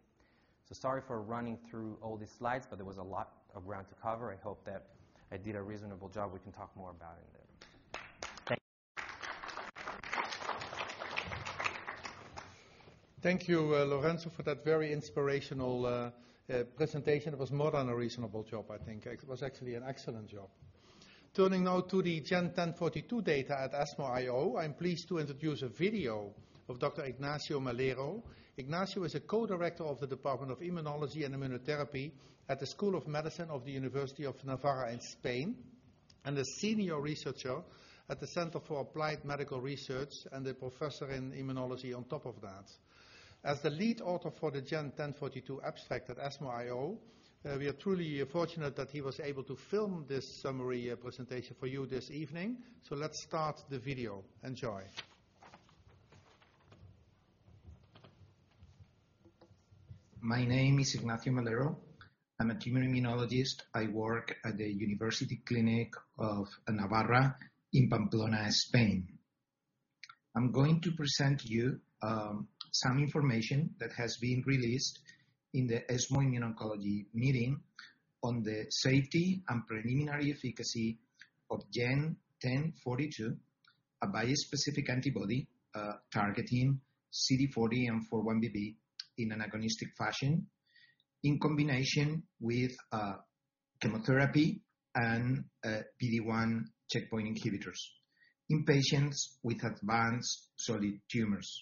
Sorry for running through all these slides, but there was a lot of ground to cover. I hope that I did a reasonable job. We can talk more about it then. Thank you. Thank you, Lorenzo, for that very inspirational presentation. It was more than a reasonable job, I think. It was actually an excellent job. Turning now to the GEN-1042 data at ESMO IO, I'm pleased to introduce a video of Dr. Ignacio Melero. Ignacio is a co-director of the Department of Immunology and Immunotherapy at the School of Medicine of the University of Navarra in Spain, and a senior researcher at the Center for Applied Medical Research, and a professor in immunology on top of that. As the lead author for the GEN-1042 abstract at ESMO IO, we are truly fortunate that he was able to film this summary presentation for you this evening. Let's start the video. Enjoy. My name is Ignacio Melero. I'm a tumor immunologist. I work at the University Clinic of Navarra in Pamplona, Spain. I'm going to present you some information that has been released in the ESMO Immuno-oncology Meeting on the safety and preliminary efficacy of GEN1042, a bispecific antibody targeting CD40 and 4-1BB in an agonistic fashion, in combination with chemotherapy and PD-1 checkpoint inhibitors in patients with advanced solid tumors.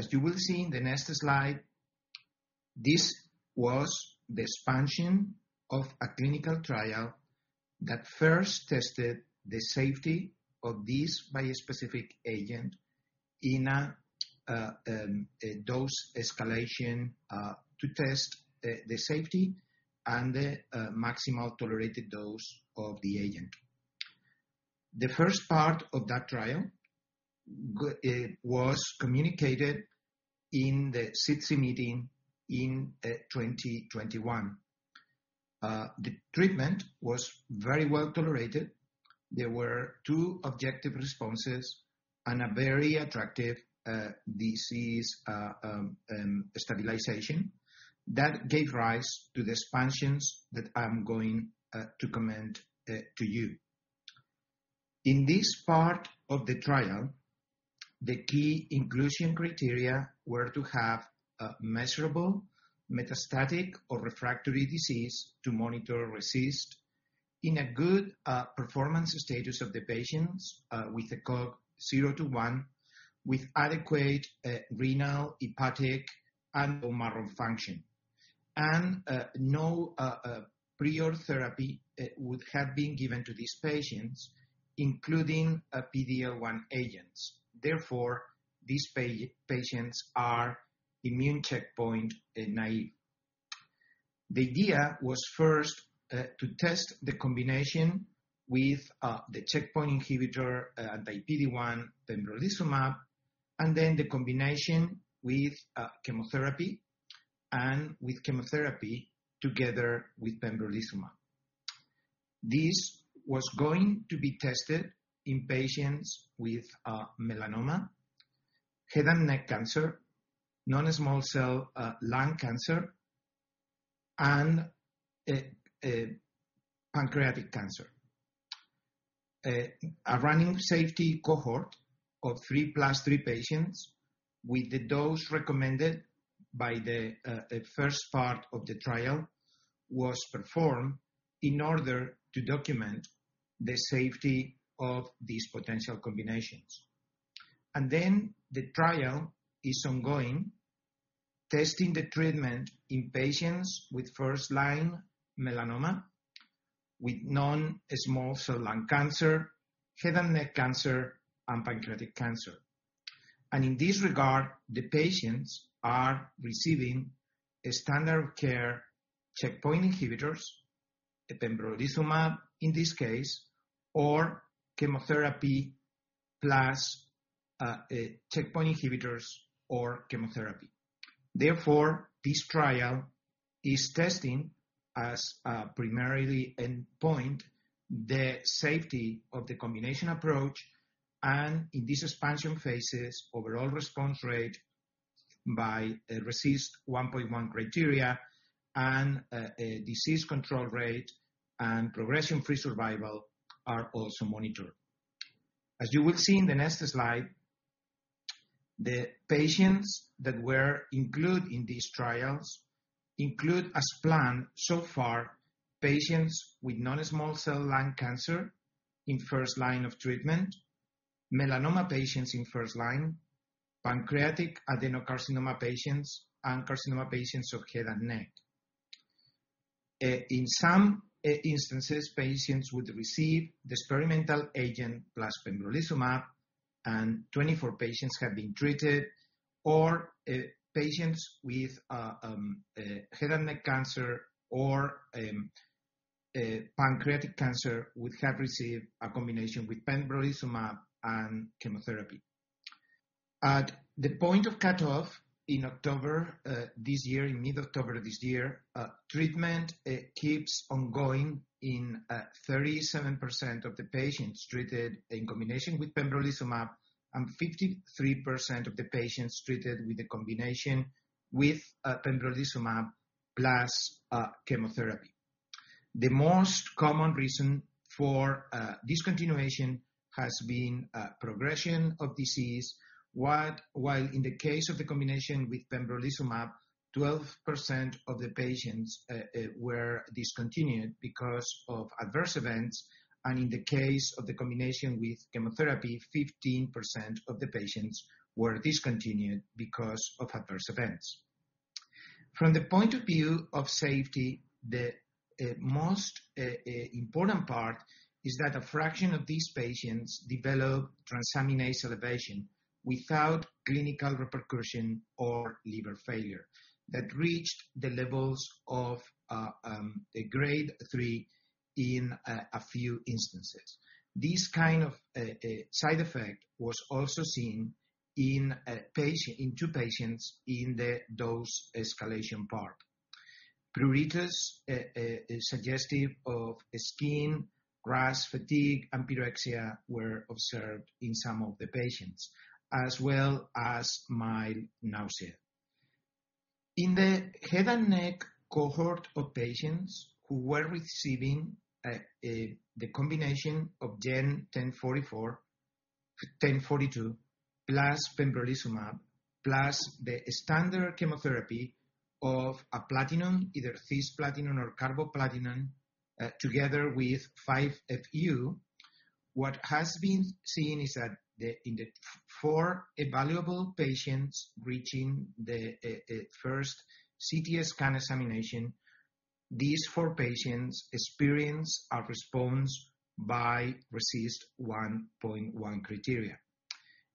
As you will see in the next slide, this was the expansion of a clinical trial that first tested the safety of this bispecific agent in a dose escalation to test the safety and the maximal tolerated dose of the agent. The first part of that trial it was communicated in the SITC meeting in 2021. The treatment was very well tolerated. There were two objective responses and a very attractive disease stabilization. That gave rise to the expansions that I'm going to comment to you. In this part of the trial, the key inclusion criteria were to have a measurable metastatic or refractory disease to monitor or resist in a good performance status of the patients with an ECOG zero to one, with adequate renal, hepatic, and bone marrow function, and no prior therapy would have been given to these patients, including PD-L1 agents. These patients are immune checkpoint naive. The idea was first to test the combination with the checkpoint inhibitor, the PD-1 pembrolizumab, and then the combination with chemotherapy, and with chemotherapy together with pembrolizumab. This was going to be tested in patients with melanoma, head and neck cancer, non-small cell lung cancer, and pancreatic cancer. A running safety cohort of 3+3 patients with the dose recommended by the first part of the trial was performed in order to document the safety of these potential combinations. The trial is ongoing, testing the treatment in patients with first-line melanoma, with non-small cell lung cancer, head and neck cancer, and pancreatic cancer. In this regard, the patients are receiving a standard of care checkpoint inhibitors, pembrolizumab in this case, or chemotherapy plus checkpoint inhibitors or chemotherapy. This trial is testing as a primarily endpoint the safety of the combination approach. In these expansion phases, overall response rate by RECIST 1.1 criteria and disease control rate and progression-free survival are also monitored. As you will see in the next slide, the patients that were include in these trials include as planned so far, patients with non-small cell lung cancer in first line of treatment, melanoma patients in first line, pancreatic adenocarcinoma patients, and carcinoma patients of head and neck. In some instances, patients would receive the experimental agent plus pembrolizumab. 24 patients have been treated, or patients with head and neck cancer or pancreatic cancer would have received a combination with pembrolizumab and chemotherapy. At the point of cutoff in October, this year, in mid-October of this year, treatment keeps on going in 37% of the patients treated in combination with pembrolizumab, and 53% of the patients treated with a combination with pembrolizumab plus chemotherapy. The most common reason for discontinuation has been progression of disease. While in the case of the combination with pembrolizumab, 12% of the patients were discontinued because of adverse events, and in the case of the combination with chemotherapy, 15% of the patients were discontinued because of adverse events. From the point of view of safety, the most important part is that a fraction of these patients developed transaminase elevation without clinical repercussion or liver failure that reached the levels of a grade 3 in a few instances. This kind of side effect was also seen in two patients in the dose escalation part. Pruritus is suggestive of skin rash, fatigue and pyrexia were observed in some of the patients, as well as mild nausea. In the head and neck cohort of patients who were receiving the combination of GEN1042 plus pembrolizumab, plus the standard chemotherapy of a platinum, either cisplatin or carboplatin, together with 5-FU. What has been seen is that the in the four evaluable patients reaching the first CT scan examination, these 4 patients experience a response by RECIST 1.1 criteria.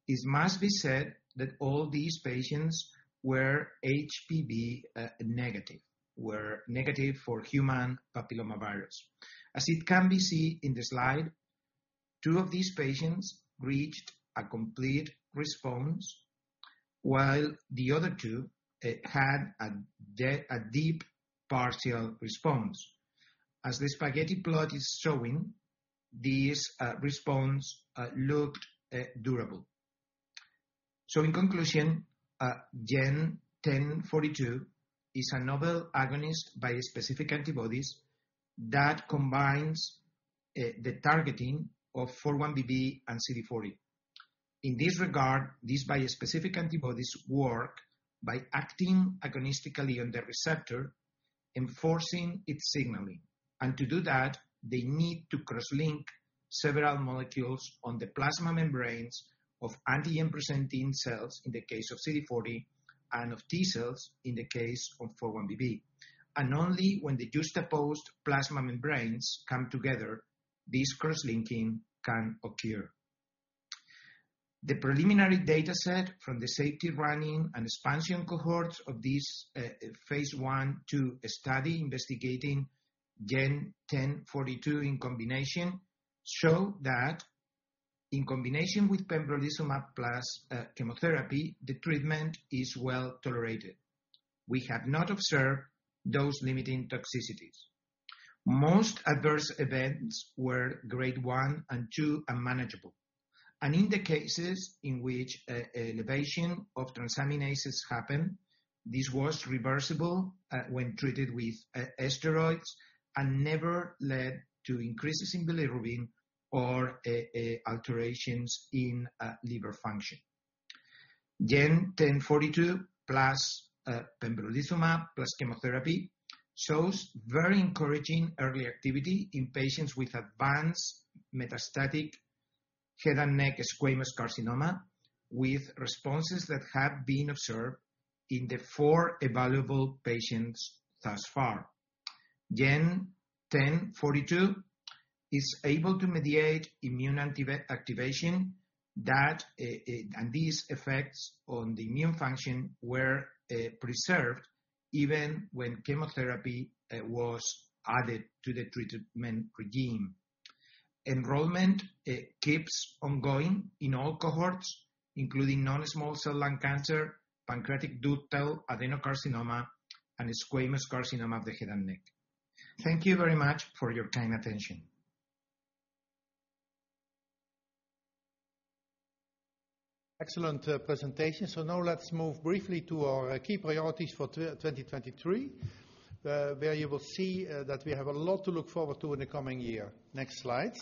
It must be said that all these patients were HPV negative, were negative for human papillomavirus. As it can be seen in the slide, two of these patients reached a complete response, while the other two had a deep partial response. As the spaghetti plot is showing, this response looked durable. In conclusion, GEN1042 is a novel agonist bispecific antibodies that combines the targeting of 4-1BB and CD40. In this regard, these bispecific antibodies work by acting agonistically on the receptor, enforcing its signaling. To do that, they need to cross-link several molecules on the plasma membranes of antigen-presenting cells in the case of CD40 and of T cells in the case of 4-1BB. Only when the juxtaposed plasma membranes come together, this cross-linking can occur. ta set from the safety running and expansion cohorts of this phase I, II study investigating GEN1042 in combination show that in combination with pembrolizumab plus chemotherapy, the treatment is well-tolerated. We have not observed dose-limiting toxicities. Most adverse events were grade one and two and manageable. In the cases in which elevation of transaminases happened, this was reversible when treated with steroids and never led to increases in bilirubin or alterations in liver function. GEN1042 plus pembrolizumab plus chemotherapy shows very encouraging early activity in patients with advanced metastatic head and neck squamous carcinoma, with responses that have been observed in the four evaluable patients thus far. GEN1042 is able to mediate immune activation that These effects on the immune function were preserved even when chemotherapy was added to the treatment regime. Enrollment keeps on going in all cohorts, including non-small cell lung cancer, pancreatic ductal adenocarcinoma, and squamous carcinoma of the head and neck. Thank you very much for your kind attention. Excellent presentation. Now let's move briefly to our key priorities for 2023, where you will see that we have a lot to look forward to in the coming year. Next slide.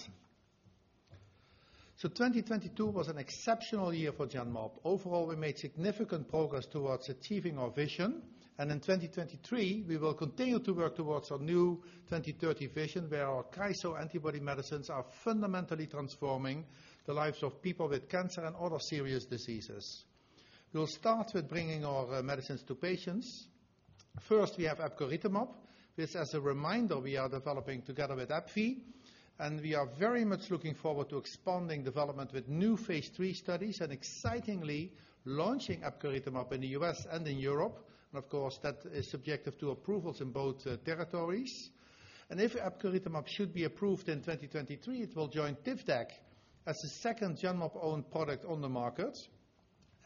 2022 was an exceptional year for Genmab. Overall, we made significant progress towards achieving our vision. In 2023, we will continue to work towards our new 2030 vision, where our KYSO antibody medicines are fundamentally transforming the lives of people with cancer and other serious diseases. We'll start with bringing our medicines to patients. First, we have epcoritamab, which, as a reminder, we are developing together with AbbVie. And we are very much looking forward to expanding development with new phase III studies, and excitingly launching epcoritamab in the U.S. and in Europe. Of course, that is subjective to approvals in both territories. If epcoritamab should be approved in 2023, it will join TIVDAK as the second Genmab owned product on the market.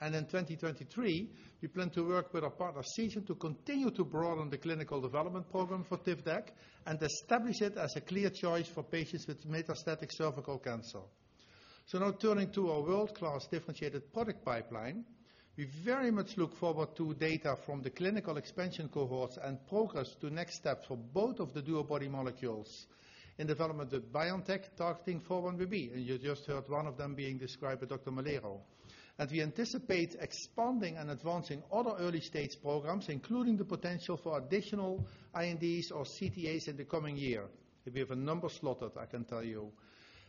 In 2023, we plan to work with our partner Seagen to continue to broaden the clinical development program for TIVDAK, and establish it as a clear choice for patients with metastatic cervical cancer. Now turning to our world-class differentiated product pipeline. We very much look forward to data from the clinical expansion cohorts and progress to next steps for both of the DuoBody molecules in development with BioNTech targeting 4-1BB, and you just heard one of them being described by Dr. Melero. We anticipate expanding and advancing other early-stage programs, including the potential for additional INDs or CTAs in the coming year. We have a number slotted, I can tell you.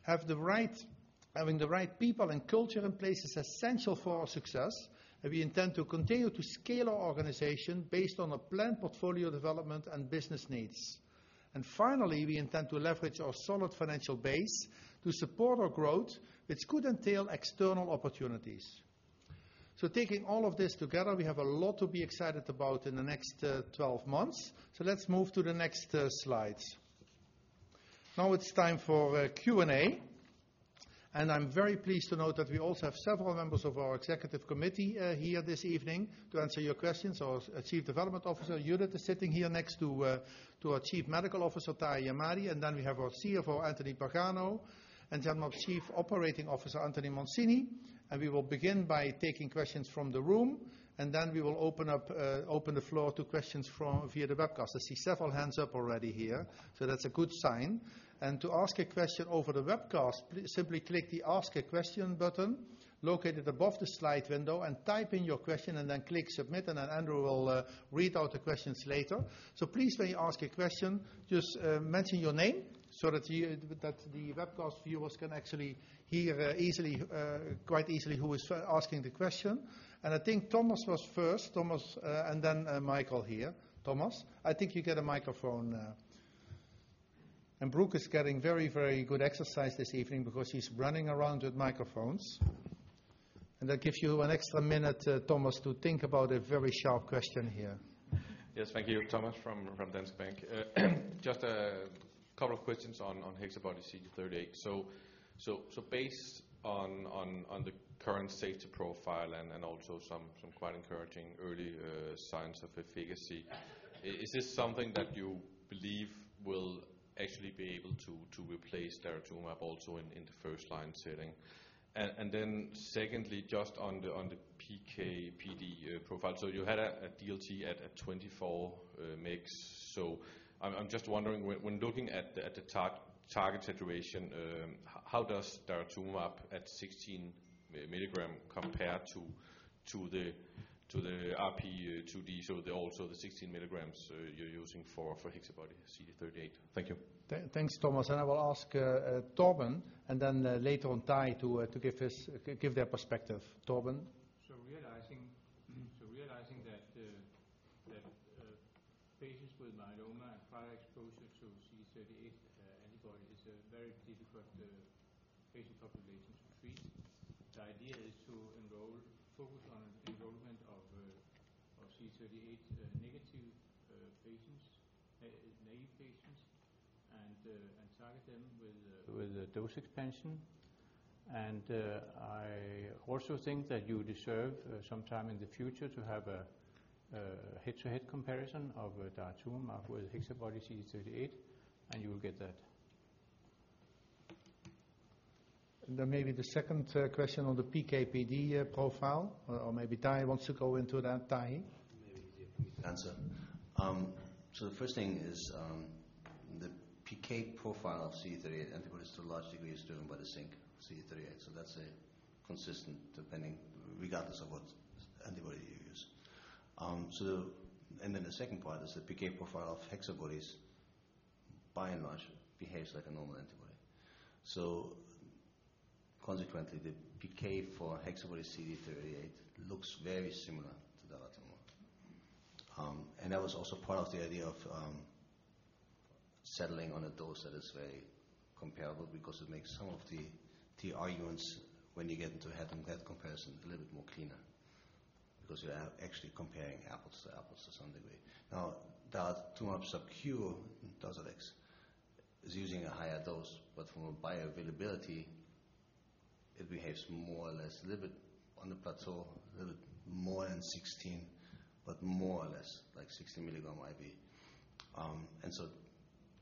Having the right people and culture in place is essential for our success, and we intend to continue to scale our organization based on a planned portfolio development and business needs. Finally, we intend to leverage our solid financial base to support our growth, which could entail external opportunities. Taking all of this together, we have a lot to be excited about in the next 12 months. Let's move to the next slides. Now it's time for Q&A, and I'm very pleased to note that we also have several members of our executive committee here this evening to answer your questions. Our Chief Development Officer, Judith, is sitting here next to our Chief Medical Officer, Tahi Ahmadi. Then we have our CFO, Anthony Pagano, and Genmab Chief Operating Officer, Anthony Mancini. We will begin by taking questions from the room, and then we will open up, open the floor to questions from via the webcast. I see several hands up already here, so that's a good sign. To ask a question over the webcast, simply click the Ask a Question button located above the slide window and type in your question and then click Submit, and then Andrew will read out the questions later. Please, when you ask a question, just mention your name so that you, that the webcast viewers can actually hear easily quite easily who is asking the question. I think Thomas was first. Thomas, and then Michael here. Thomas, I think you get a microphone now. Brooke is getting very, very good exercise this evening because he's running around with microphones. That gives you an extra minute, Thomas, to think about a very sharp question here. Yes. Thank you. Thomas from Danske Bank. Just a couple of questions on HexaBody-CD38. Based on the current safety profile and also quite encouraging early signs of efficacy, is this something that you believe will actually be able to replace daratumumab also in the first line setting? Secondly, just on the PK/PD profile. You had a DLT at 24 mg. I'm just wondering when looking at the target saturation, how does daratumumab at 16 mg compare to the RP2D? Also the 16 mg you're using for HexaBody-CD38. Thank you. Thanks, Thomas. I will ask Torben, and then later on Tahi to give their perspective. Torben. Realizing that patients with myeloma and prior exposure to CD38 antibody is a very difficult patient population to treat. The idea is to focus on enrollment of CD38 negative patients, naive patients, and target them with a dose expansion. I also think that you deserve some time in the future to have a head-to-head comparison of daratumumab with HexaBody-CD38, and you will get that. Maybe the second question on the PK/PD profile, or maybe Tahi wants to go into that. Tahi. Maybe give me Answer. The first thing is, the PK profile of CD38 antibody is to a large degree driven by the sync CD38. That's a consistent depending, regardless of what antibody you use. The second part is the PK profile of HexaBodies by and large behaves like a normal antibody. Consequently, the PK for HexaBodies CD38 looks very similar to daratumumab. That was also part of the idea of settling on a dose that is very comparable because it makes some of the arguments when you get into head-on-head comparison a little bit more cleaner, because you are actually comparing apples to apples to some degree. Now, daratumumab sub-Q in dose X is using a higher dose, but from a bioavailability it behaves more or less a little bit on the plateau, a little more than 16, but more or less like 16 mg IV.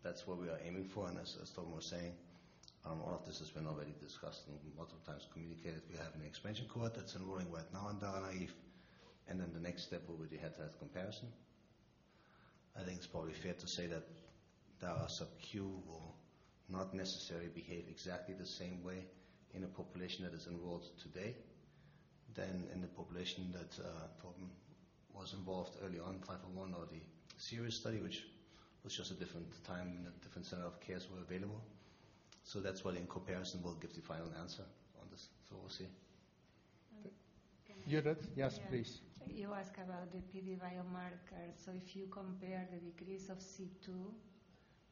That's what we are aiming for. As Torben was saying, all of this has been already discussed and a lot of times communicated. We have an expansion cohort that's enrolling right now in Dara-naïve, and then the next step will be the head-to-head comparison. I think it's probably fair to say that Dara sub-Q will not necessarily behave exactly the same way in a population that is enrolled today than in the population that Torben was involved early on, GEN501 or the SIRIUS study, which was just a different time and a different set of cares were available. That's why in comparison we'll give the final answer on this. We'll see. Judith, yes, please. You ask about the PD biomarker. If you compare the degrees of C2,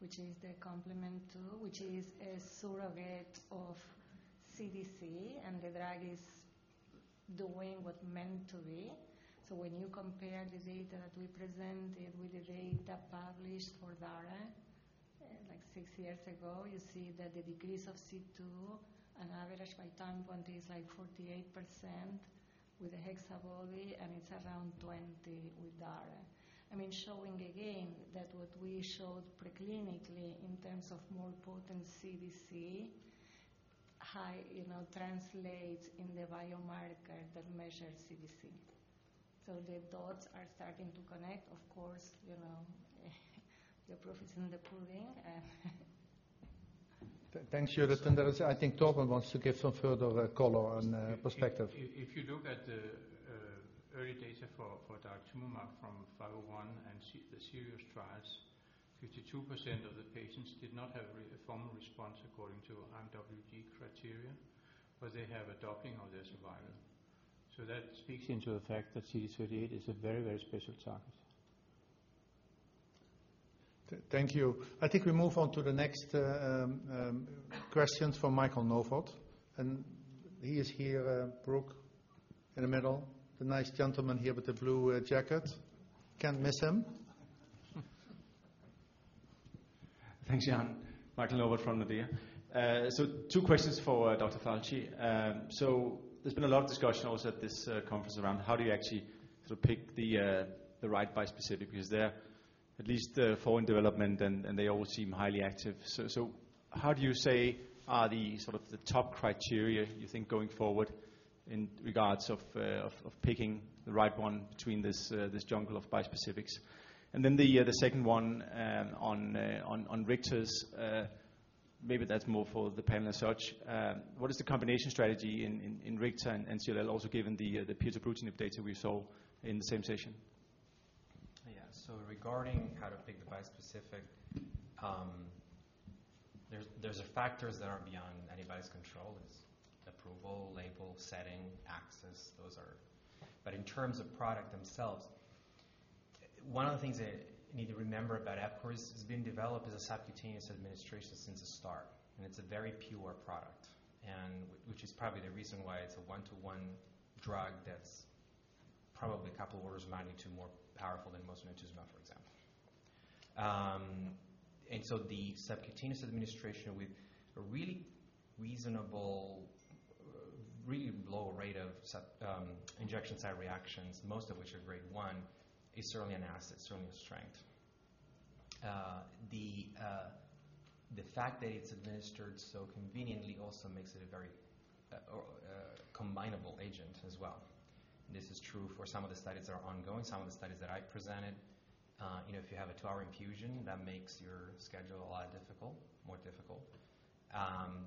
which is the complement two, which is a surrogate of CDC, and the drug is doing what meant to be. When you compare the data that we presented with the data published for Dara, like six years ago, you see that the degrees of C2 on average by time point is like 48% with the HexaBody, and it's around 20 with Dara. I mean, showing again that what we showed pre-clinically in terms of more potent CDC, high, you know, translates in the biomarker that measures CDC. The dots are starting to connect, of course, you know, the proof is in the pudding. Thanks, Judith. I think Torben wants to give some further color on perspective. If you look at the early data for daratumumab from GEN501 and the SIRIUS trials, 52% of the patients did not have a formal response according to IMWG criteria, but they have a doubling on their survival. That speaks into the fact that CD38 is a very special target. Thank you. I think we move on to the next question from Michael Novod. He is here, Brooke, in the middle. The nice gentleman here with the blue jacket. Can't miss him. Thanks, Jan. Michael Novod from Nordea. Two questions for Dr. Falchi. There's been a lot of discussion also at this conference around how do you actually sort of pick the right bispecific because they're at least four in development, and they all seem highly active. How do you say are the sort of the top criteria you think going forward in regards of picking the right one between this jungle of bispecifics? The second one on Richter's, maybe that's more for the panel as such. What is the combination strategy in Richter and CLL also given the pirtobrutinib data we saw in the same session? Regarding how to pick the bispecific, there's factors that are beyond anybody's control is approval, label, setting, access. In terms of product themselves, one of the things that you need to remember about epcoritamab has been developed as a subcutaneous administration since the start, and it's a very pure product, and which is probably the reason why it's a one-to-one drug that's probably a couple orders of magnitude more powerful than most of them, for example. The subcutaneous administration with a really reasonable, really low rate of injection site reactions, most of which are grade one, is certainly an asset, certainly a strength. The fact that it's administered so conveniently also makes it a very combinable agent as well. This is true for some of the studies that are ongoing, some of the studies that I presented. You know, if you have a two-hour infusion, that makes your schedule a lot difficult, more difficult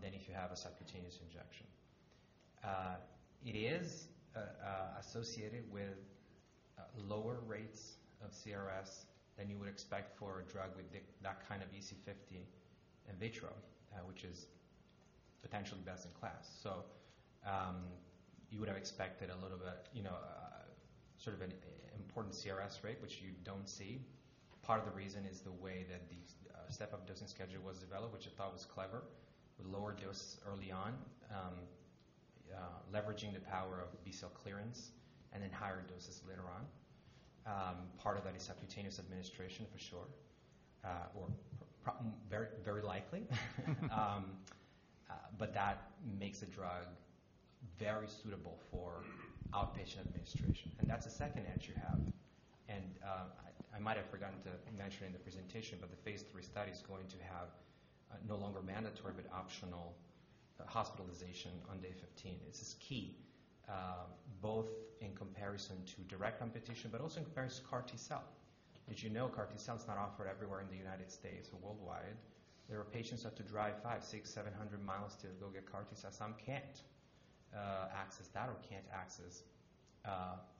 than if you have a subcutaneous injection. It is associated with lower rates of CRS than you would expect for a drug with that kind of EC50 in vitro, which is potentially best in class. You would have expected a little bit, you know, sort of an important CRS rate, which you don't see. Part of the reason is the way that the step up dosing schedule was developed, which I thought was clever, with lower doses early on, leveraging the power of B-cell clearance and then higher doses later on. Part of that is subcutaneous administration for sure, or very, very likely. But that makes the drug very suitable for outpatient administration. That's the second edge you have. I might have forgotten to mention in the presentation, but the phase III study is going to have no longer mandatory, but optional hospitalization on day 15. This is key, both in comparison to direct competition, but also in comparison to CAR T-cell. As you know, CAR T-cell is not offered everywhere in the United States or worldwide. There are patients who have to drive 5, 6, 700 miles to go get CAR T-cell. Some can't access that or can't access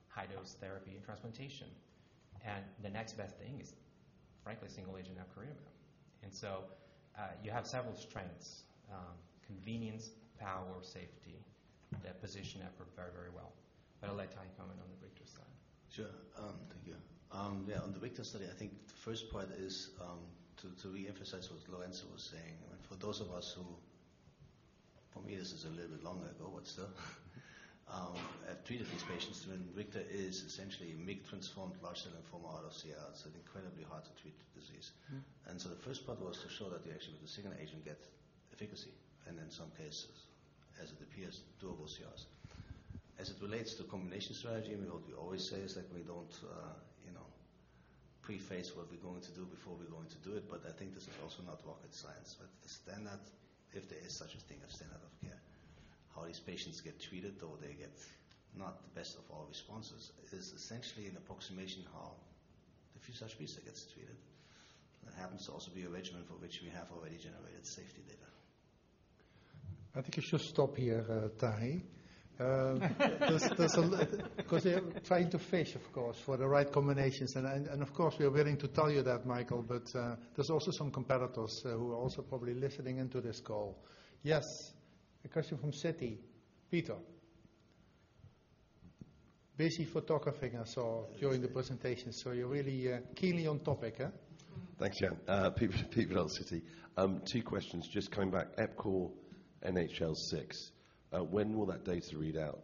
high-dose therapy and transplantation. The next best thing is, frankly, single agent epcoritamab. You have several strengths, convenience, power, safety, that position EPCORE very, very well. I'll let Tahi comment on the Richter side. Sure. Thank you. Yeah. On the Richter study, I think the first part is to reemphasize what Lorenzo was saying. For those of us who, for me, this is a little bit long ago, but still, have treated these patients. I mean, Richter is essentially MYC transformed large cell lymphoma out of CR. It's an incredibly hard to treat disease. Mm-hmm. The first part was to show that you actually, with the second agent, get efficacy and in some cases, as it appears, doable CRs. As it relates to combination strategy, what we always say is that we don't, you know, preface what we're going to do before we're going to do it, but I think this is also not rocket science. The standard, if there is such a thing as standard of care, how these patients get treated, or they get not the best of all responses, is essentially an approximation how a few such pieces gets treated. That happens to also be a regimen for which we have already generated safety data. I think you should stop here, Tahi. There's a lot... 'cause they're trying to fish, of course, for the right combinations. Of course, we are willing to tell you that, Michael, but there's also some competitors who are also probably listening into this call. Yes. A question from Citi. Peter. Busy photographing I saw during the presentation, so you're really keenly on topic, huh? Thanks, yeah. Peter Verdult, Citi. Two questions. Just coming back, EPCO, NHL six. When will that data read out?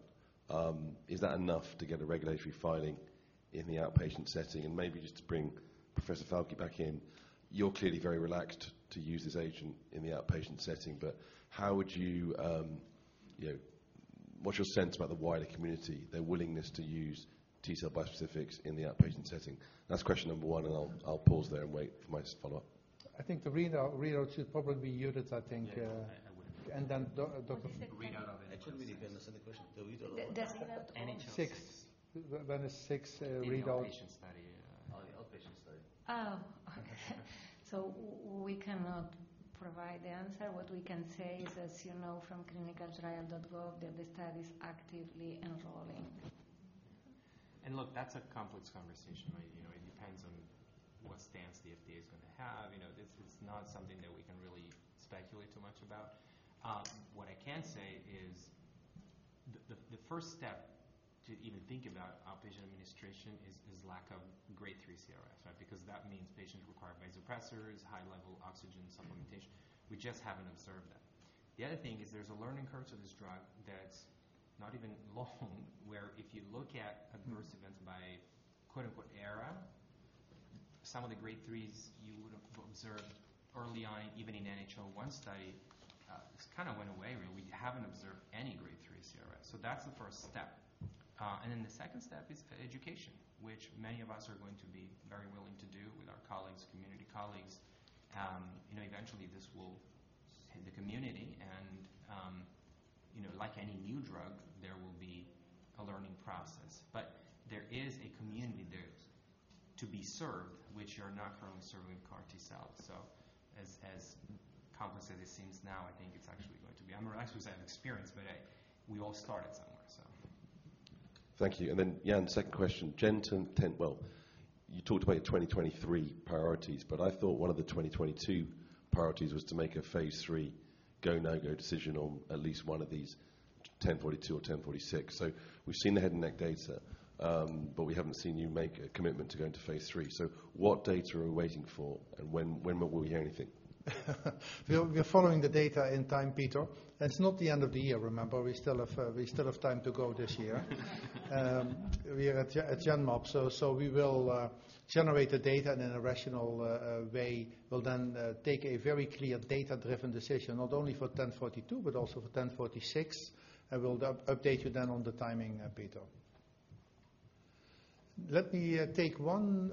Is that enough to get a regulatory filing in the outpatient setting? Maybe just to bring Professor Falchi back in, you're clearly very relaxed to use this agent in the outpatient setting, but how would you, what's your sense about the wider community, their willingness to use T-cell bispecifics in the outpatient setting? That's question number one, and I'll pause there and wait for my follow-up. I think the readout should probably be Judith, I think. Yeah. Dr. What is it? Readout of NHL 6. It shouldn't be dependent on the question. The readout of what? The NHL 6. Six. When is six readout- Inpatient study. Outpatient study. Okay. We cannot provide the answer. What we can say is, as you know from ClinicalTrials.gov, that the study's actively enrolling. Look, that's a complex conversation, right? You know, it depends on what stance the FDA is gonna have. You know, this is not something that we can really speculate too much about. What I can say is the first step to even think about outpatient administration is lack of grade 3 CRS, right? Because that means patients require vasopressors, high level oxygen supplementation. We just haven't observed that. The other thing is there's a learning curve to this drug that's not even long where if you look at adverse events by quote unquote era, some of the grade 3s you would observe early on, even in NHL-1 study, just kinda went away. We haven't observed any grade 3 CRS. That's the first step. The second step is e-education, which many of us are going to be very willing to do with our colleagues, community colleagues. You know, eventually this will hit the community and, you know, like any new drug, there will be a learning process, but there is a community there to be served which are not currently served with CAR T-cells. As complex as it seems now, I think it's actually going to be... I don't know. I just have experience, but, hey, we all started somewhere, so. Thank you. Jan, second question. You talked about your 2023 priorities, but I thought one of the 2022 priorities was to make a phase III go no-go decision on at least one of these GEN1042 or GEN1046. We've seen the head and neck data, but we haven't seen you make a commitment to go into phase III. What data are we waiting for, and when will we hear anything? We're following the data in time, Peter. It's not the end of the year, remember. We still have, we still have time to go this year. We are at Genmab, so we will generate the data in a rational way. We'll then take a very clear data-driven decision, not only for ten forty-two but also for ten forty-six. I will update you then on the timing, Peter. Let me take one,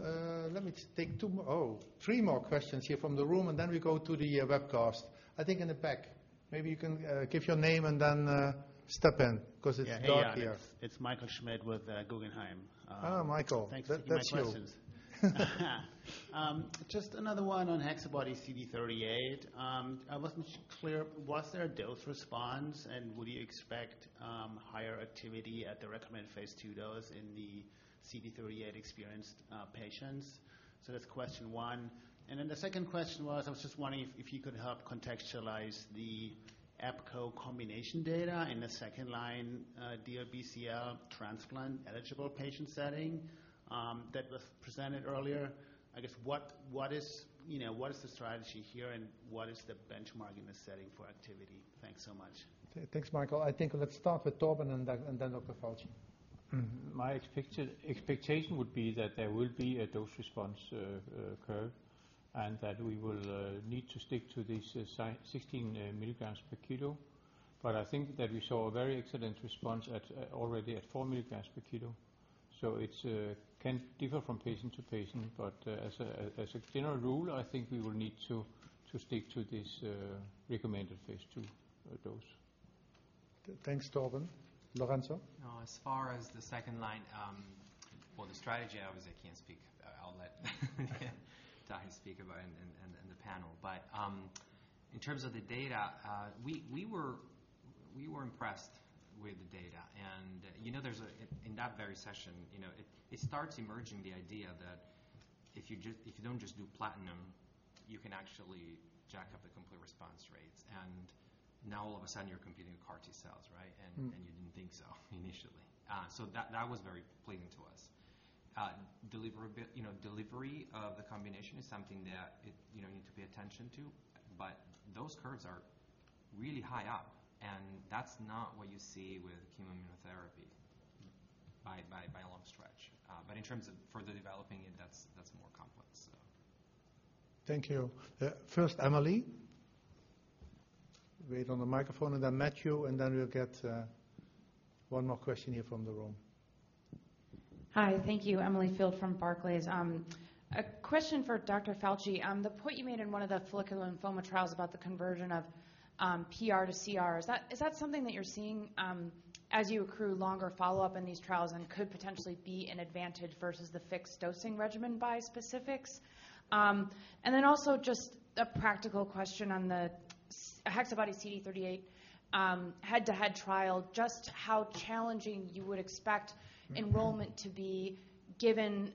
let me take two more, three more questions here from the room, and then we go to the webcast. I think in the back. Maybe you can give your name and then step in 'cause it's dark here. Hey, Jan. It's Michael Schmidt with Guggenheim. Oh, Michael. Thanks for taking my questions. That's you. just another one on HexaBody-CD38. I wasn't clear, was there a dose response, and would you expect higher activity at the recommended phase II dose in the CD38 experienced patients? That's question 1. The second question was, I was just wondering if you could help contextualize the EPCORE combination data in the second-line DLBCL transplant-eligible patient setting, that was presented earlier. What, what is, you know, what is the strategy here, and what is the benchmark in this setting for activity? Thanks so much. Okay. Thanks, Michael. I think let's start with Torben and then Dr. Falchi. My expectation would be that there will be a dose response curve, that we will need to stick to these 16 milligrams per kilo. I think that we saw a very excellent response at, already at 4 milligrams per kilo. It can differ from patient to patient, but as a general rule, I think we will need to stick to this recommended phase II dose. Thanks, Torben. Lorenzo? As far as the second line, well, the strategy obviously I can't speak. I'll let Tahi speak about and the panel. In terms of the data, we were impressed with the data. You know, in that very session, you know, it starts emerging the idea that if you just, if you don't just do platinum, you can actually jack up the complete response rates. Now all of a sudden you're competing with CAR T-cells, right? Mm. You didn't think so initially. That was very pleasing to us. You know, delivery of the combination is something that you know, you need to pay attention to, but those curves are really high up, and that's not what you see with chemotherapy by a long stretch. In terms of further developing it, that's more complex, so. Thank you. First Emily. Wait on the microphone, and then Matthew, and then we'll get one more question here from the room. Hi. Thank you. Emily Field from Barclays. A question for Dr. Falchi. The point you made in one of the follicular lymphoma trials about the conversion of, PR to CR, is that something that you're seeing, as you accrue longer follow-up in these trials and could potentially be an advantage versus the fixed dosing regimen bispecifics? Also just a practical question on the HexaBody CD38, head-to-head trial, just how challenging you would expect enrollment- Given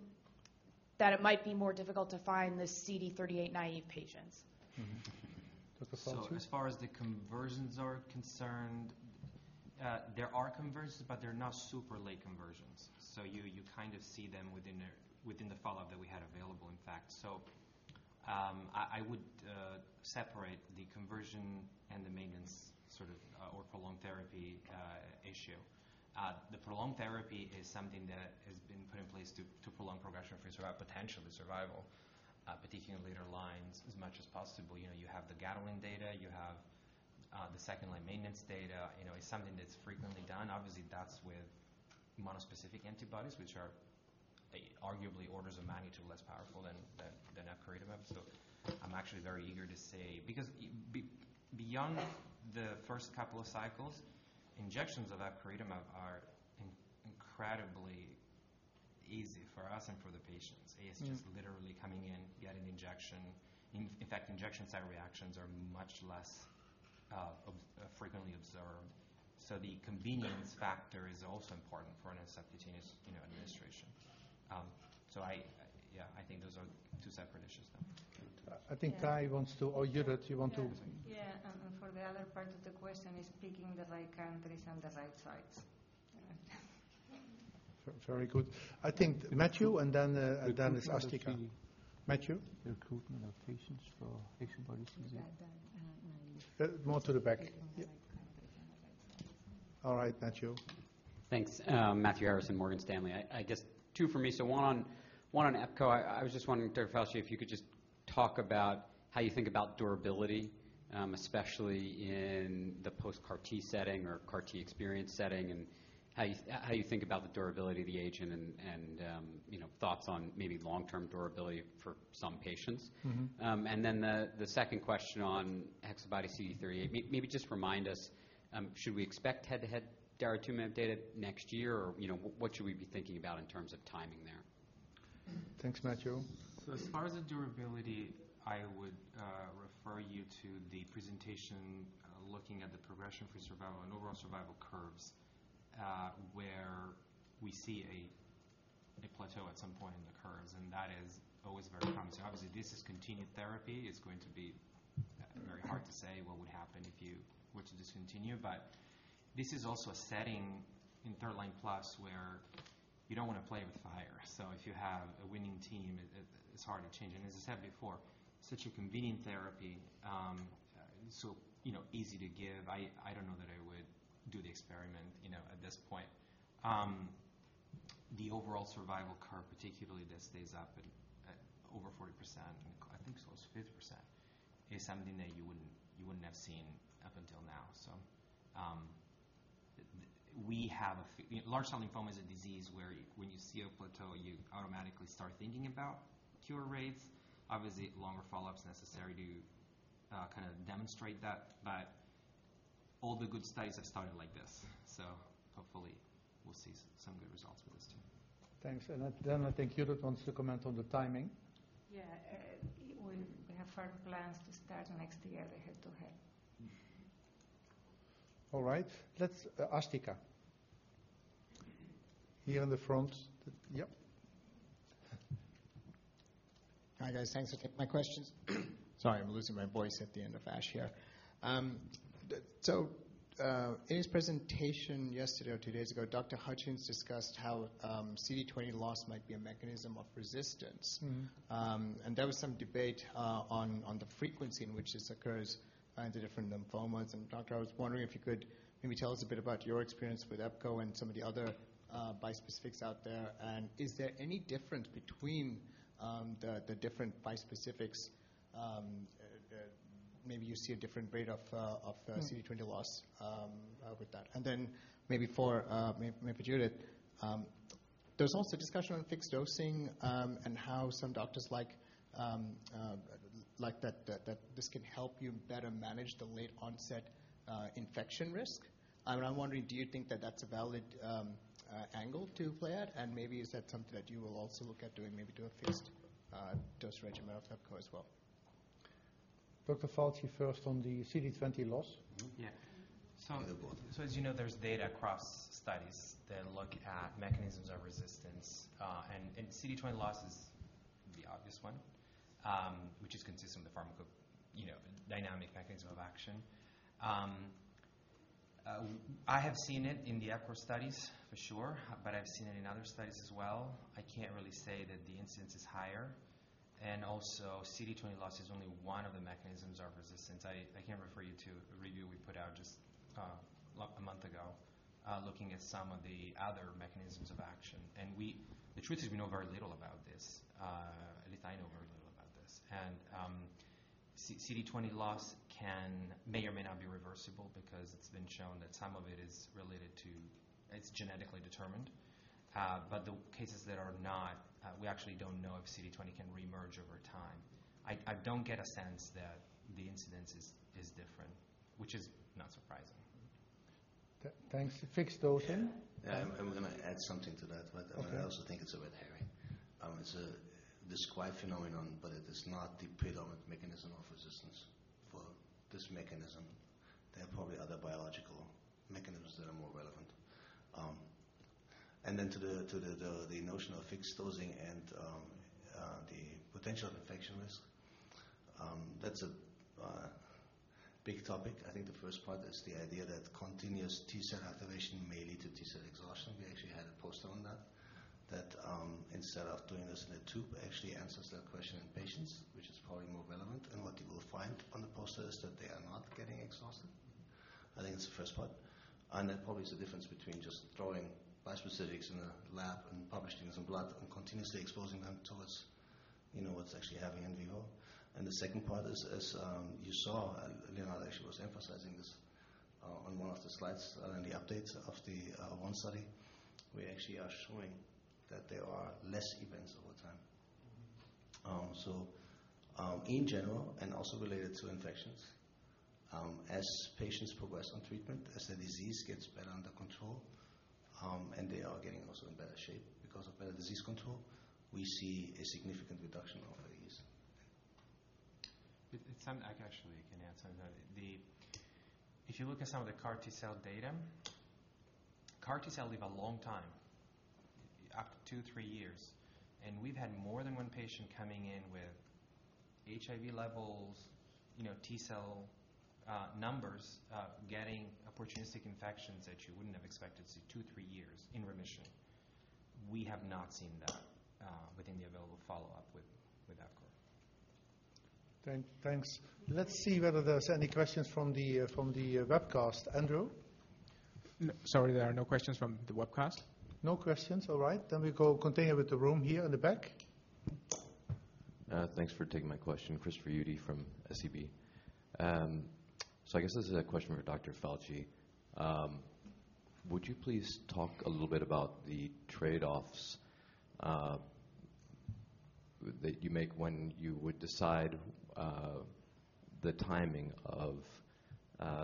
that it might be more difficult to find the CD38 naive patients. Mm-hmm. Dr. Falchi? As far as the conversions are concerned, there are conversions, but they're not super late conversions. You kind of see them within the follow-up that we had available, in fact. I would separate the conversion and the maintenance sort of or prolonged therapy issue. The prolonged therapy is something that has been put in place to prolong progression-free survival, potentially survival, particularly in later lines as much as possible. You know, you have the gathering data, you have the second line maintenance data. You know, it's something's frequently done. Obviously, that's with mono-specific antibodies, which are arguably orders of magnitude less powerful than epcoritamab. I'm actually very eager to see. Because beyond the first couple of cycles, injections of epcoritamab are incredibly easy for us and for the patients. Mm-hmm. It's just literally coming in, get an injection. In fact, injection site reactions are much less, frequently observed. The convenience factor is also important for a subcutaneous, you know, administration. Yeah, I think those are two separate issues, though. Okay. I think Kai wants to. Judith, you want to. Yeah. For the other part of the question is picking the right countries and the right sites. Yeah. Very good. I think Matthew, and then it's Asthika. Matthew? Recruitment of patients for HexaBodies. Yeah. I don't know where you- More to the back. Yeah. All right, Matthew. Thanks. Matthew Harrison, Morgan Stanley. I guess two for me. One on Epco. I was just wondering, Dr. Falchi, if you could just talk about how you think about durability, especially in the post-CAR T setting or CAR T experience setting, and how you think about the durability of the agent and, you know, thoughts on maybe long-term durability for some patients. Mm-hmm. The, the second question on HexaBody-CD38. Just remind us, should we expect head-to-head daratumumab data next year? Or, you know, what should we be thinking about in terms of timing there? Thanks, Matthew. As far as the durability, I would refer you to the presentation, looking at the progression-free survival and overall survival curves, where we see a plateau at some point in the curves, and that is always very promising. Obviously, this is continued therapy. It's going to be very hard to say what would happen if you were to discontinue, but this is also a setting in third-line-plus where you don't wanna play with fire. If you have a winning team, it's hard to change it. As I said before, such a convenient therapy, you know, easy to give. I don't know that I would do the experiment, you know, at this point. The overall survival curve, particularly that stays up at over 40%, I think it was 50%, is something that you wouldn't, you wouldn't have seen up until now. Large cell lymphoma is a disease where when you see a plateau, you automatically start thinking about cure rates. Obviously, longer follow-up's necessary to kinda demonstrate that, but all the good studies have started like this. Hopefully we'll see some good results with this too. Thanks. Then I think Judith wants to comment on the timing. Yeah. We have firm plans to start next year, the head-to-head. All right. Let's Asthika. Here in the front. Yep. Hi, guys. Thanks. Sorry, I'm losing my voice at the end of ASH here. In his presentation yesterday or two days ago, Dr. Hutchings discussed how CD20 loss might be a mechanism of resistance. Mm-hmm. There was some debate on the frequency in which this occurs and the different lymphomas. Doctor, I was wondering if you could maybe tell us a bit about your experience with EPCO and some of the other bispecifics out there. Is there any difference between the different bispecifics that maybe you see a different rate of? Mm-hmm. CD20 loss, with that? Then maybe for, maybe Judith, there's also discussion on fixed dosing, and how some doctors like, that this can help you better manage the late onset, infection risk. I'm wondering, do you think that that's a valid, angle to play at? Maybe is that something that you will also look at doing, maybe do a fixed, dose regimen of EPCO as well? Dr. Falchi first on the CD20 loss. Yeah. As you know, there's data across studies that look at mechanisms of resistance, and CD20 loss is the obvious one, which is consistent with the you know, dynamic mechanism of action. I have seen it in the EPCORE studies for sure, but I've seen it in other studies as well. I can't really say that the incidence is higher. Also, CD20 loss is only one of the mechanisms of resistance. I can refer you to a review we put out just a month ago, looking at some of the other mechanisms of action. The truth is we know very little about this. At least I know very little about this. CD20 loss can... may or may not be reversible because it's been shown that some of it is related to... It's genetically determined. The cases that are not, we actually don't know if CD20 can reemerge over time. I don't get a sense that the incidence is different, which is not surprising. Thanks. Fixed dosing? Yeah. I'm gonna add something to that. Okay. I also think it's a red herring. It's a described phenomenon, but it is not the predominant mechanism of resistance for this mechanism. There are probably other biological mechanisms that are more relevant. To the, to the notion of fixed dosing and the potential infection risk, that's a big topic. I think the first part is the idea that continuous T-cell activation may lead to T-cell exhaustion. We actually had a poster on that, instead of doing this in a tube, actually answers that question in patients, which is probably more relevant. What you will find on the poster is that they are not getting exhausted. I think it's the first part, and it probably is the difference between just throwing bispecifics in a lab and publishing some blood and continuously exposing them towards, you know, what's actually happening in vivo. The second part is, you saw, Leonard actually was emphasizing this, on one of the slides in the updates of the one study. We actually are showing that there are less events over time. So, in general, and also related to infections, as patients progress on treatment, as the disease gets better under control, and they are getting also in better shape because of better disease control, we see a significant reduction over the years. It's something I actually can answer. If you look at some of the CAR T-cell data, CAR T-cell live a long time, up to two, three years, and we've had more than one patient coming in with HIV levels, you know, T-cell numbers, getting opportunistic infections that you wouldn't have expected to see two, three years in remission. We have not seen that within the available follow-up with EPCORE. Thanks. Let's see whether there's any questions from the from the webcast. Andrew? Sorry, there are no questions from the webcast. No questions. All right, we go continue with the room here in the back. Thanks for taking my question. Christopher Uhde from SEB. I guess this is a question for Dr. Falchi. Would you please talk a little bit about the trade-offs that you make when you would decide the timing of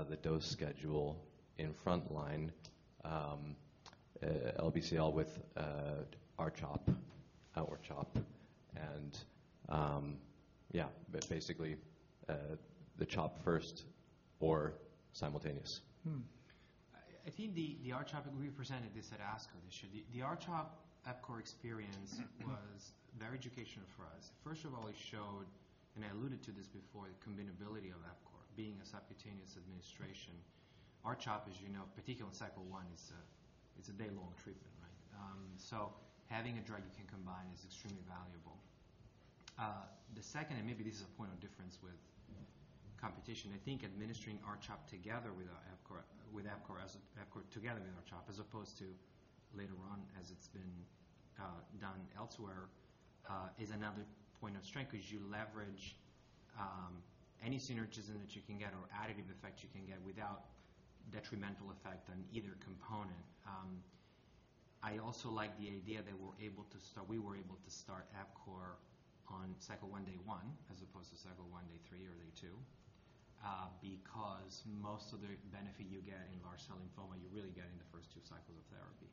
the dose schedule in frontline LBCL with R-CHOP or CHOP and, yeah, basically, the CHOP first or simultaneous? I think the R-CHOP, and we presented this at ASCO this year. The R-CHOP/EPCORE experience was very educational for us. First of all, it showed, and I alluded to this before, the combinability of EPCORE being a subcutaneous administration. R-CHOP, as you know, particularly in cycle one, it's a day-long treatment, right? Having a drug you can combine is extremely valuable. The second, and maybe this is a point of difference with competition, I think administering R-CHOP together with EPCORE together with R-CHOP, as opposed to later on as it's been done elsewhere, is another point of strength 'cause you leverage any synergism that you can get or additive effect you can get without detrimental effect on either component. I also like the idea that we were able to start EPCORE on cycle 1, day one, as opposed to cycle 1, day three or day two, because most of the benefit you get in large cell lymphoma you really get in the first two cycles of therapy.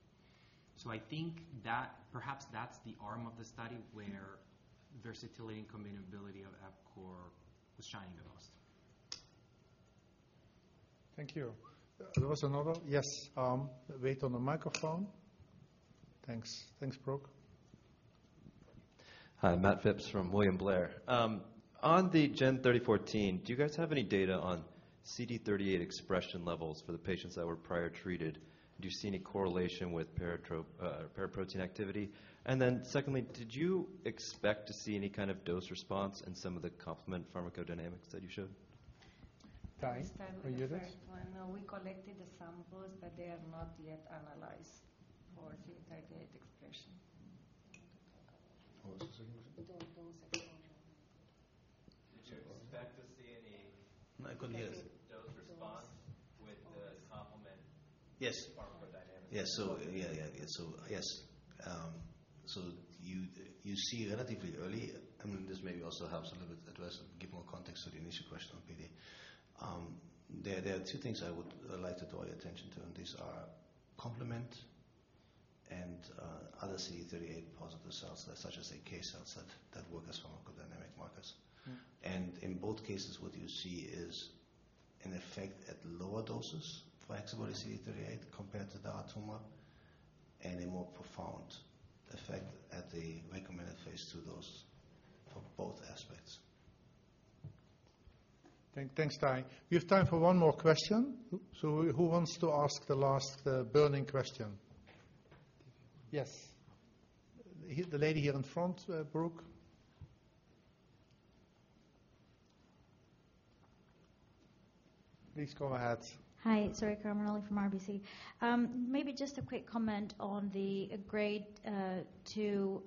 I think that perhaps that's the arm of the study where versatility and combinability of EPCORE was shining the most. Thank you. There was another. Yes. wait on the microphone. Thanks. Thanks, Brooke. Hi. Matt Phipps from William Blair. On the GEN3014, do you guys have any data on CD38 expression levels for the patients that were prior treated? Do you see any correlation with paraprotein activity? Secondly, did you expect to see any kind of dose response in some of the complement pharmacodynamics that you showed? Tahi, can you do this? I'll start with the first one. We collected the samples. They are not yet analyzed for CD38 expression. What was the second one? The dose exploration. Did you expect to see? I couldn't hear. Dose response with the complement. Yes. -pharmacodynamics? Yes. Yeah. Yeah. Yes. You see relatively early, and this maybe also helps a little bit to give more context to the initial question on PD. There are two things I would like to draw your attention to, and these are complement and other CD38 positive cells, such as NK cells that work as pharmacodynamic markers. Mm-hmm. In both cases, what you see is an effect at lower doses for axicabtagene ciloleucel compared to the artuma, and a more profound effect at the recommended phase II dose for both aspects. Thanks, Tahi. We have time for one more question. Who wants to ask the last burning question? Yes. The lady here in front, Brooke. Please go ahead. Hi. Sorry. Kara Morelli from RBC. Maybe just a quick comment on the grade 2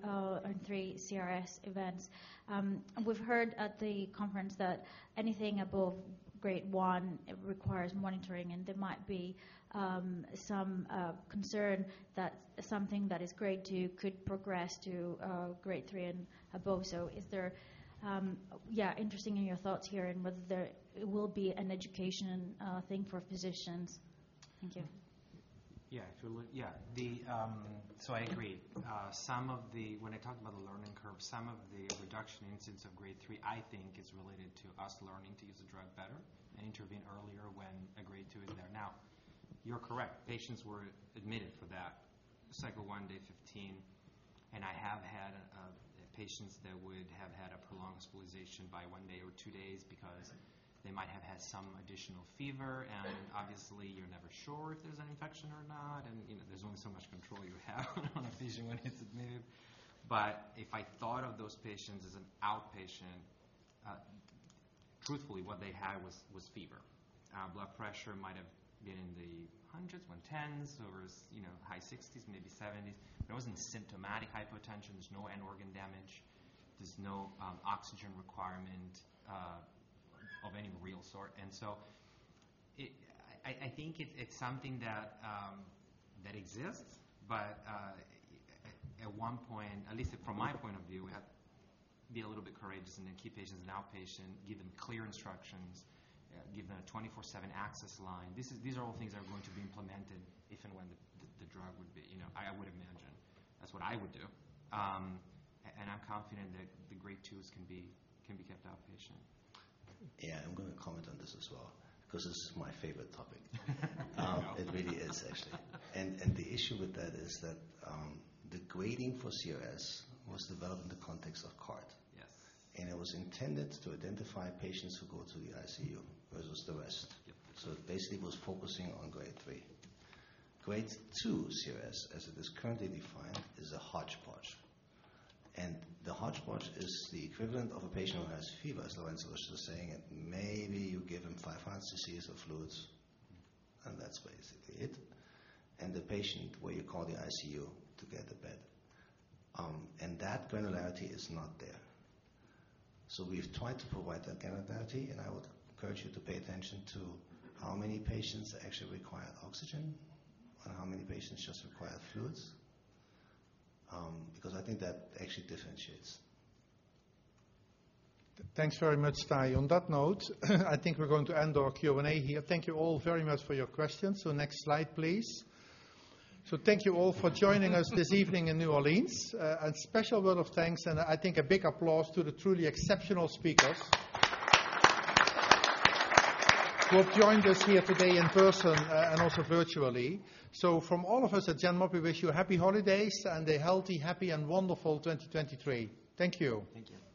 and 3 CRS events. We've heard at the conference that anything above grade 1 requires monitoring, and there might be some concern that something that is grade 2 could progress to grade 3 and above. Is there interested in your thoughts here and whether there will be an education thing for physicians? Thank you. Yeah, yeah. I agree. When I talk about the learning curve, some of the reduction incidence of grade 3, I think is related to us learning to use the drug better and intervene earlier when a grade 2 is there now. You're correct. Patients were admitted for that cycle 1, day 15, and I have had patients that would have had a prolonged hospitalization by one day or two days because they might have had some additional fever and obviously you're never sure if there's an infection or not, and, you know, there's only so much control you have on a patient when he's admitted. If I thought of those patients as an outpatient, truthfully what they had was fever. Blood pressure might have been in the hundreds, 110s or, you know, high 60s, maybe 70s. There wasn't symptomatic hypotension. There's no end organ damage. There's no oxygen requirement of any real sort. I think it's something that exists, but at one point, at least from my point of view, we have to be a little bit courageous and then keep patients in outpatient, give them clear instructions, give them a 24/7 access line. These are all things that are going to be implemented if and when the drug would be... You know, I would imagine. That's what I would do. I'm confident that the grade 2s can be kept outpatient. Yeah. I'm gonna comment on this as well because this is my favorite topic. It really is actually. The issue with that is that the grading for CRS was developed in the context of CART. Yes. It was intended to identify patients who go to the ICU versus the rest. Yep. Basically it was focusing on grade three. Grade 2 CRS, as it is currently defined, is a hodgepodge, and the hodgepodge is the equivalent of a patient who has fever, as Lorenz was just saying, and maybe you give him 500 CCs of fluids, and that's basically it. The patient where you call the ICU to get the bed. That granularity is not there. We've tried to provide that granularity, and I would encourage you to pay attention to how many patients actually require oxygen and how many patients just require fluids, because I think that actually differentiates. Thanks very much, Tahi. On that note, I think we're going to end our Q&A here. Thank you all very much for your questions. Next slide, please. Thank you all for joining us this evening in New Orleans. A special word of thanks, and I think a big applause to the truly exceptional speakers who have joined us here today in person, and also virtually. From all of us at Genmab, we wish you happy holidays and a healthy, happy, and wonderful 2023. Thank you. Thank you.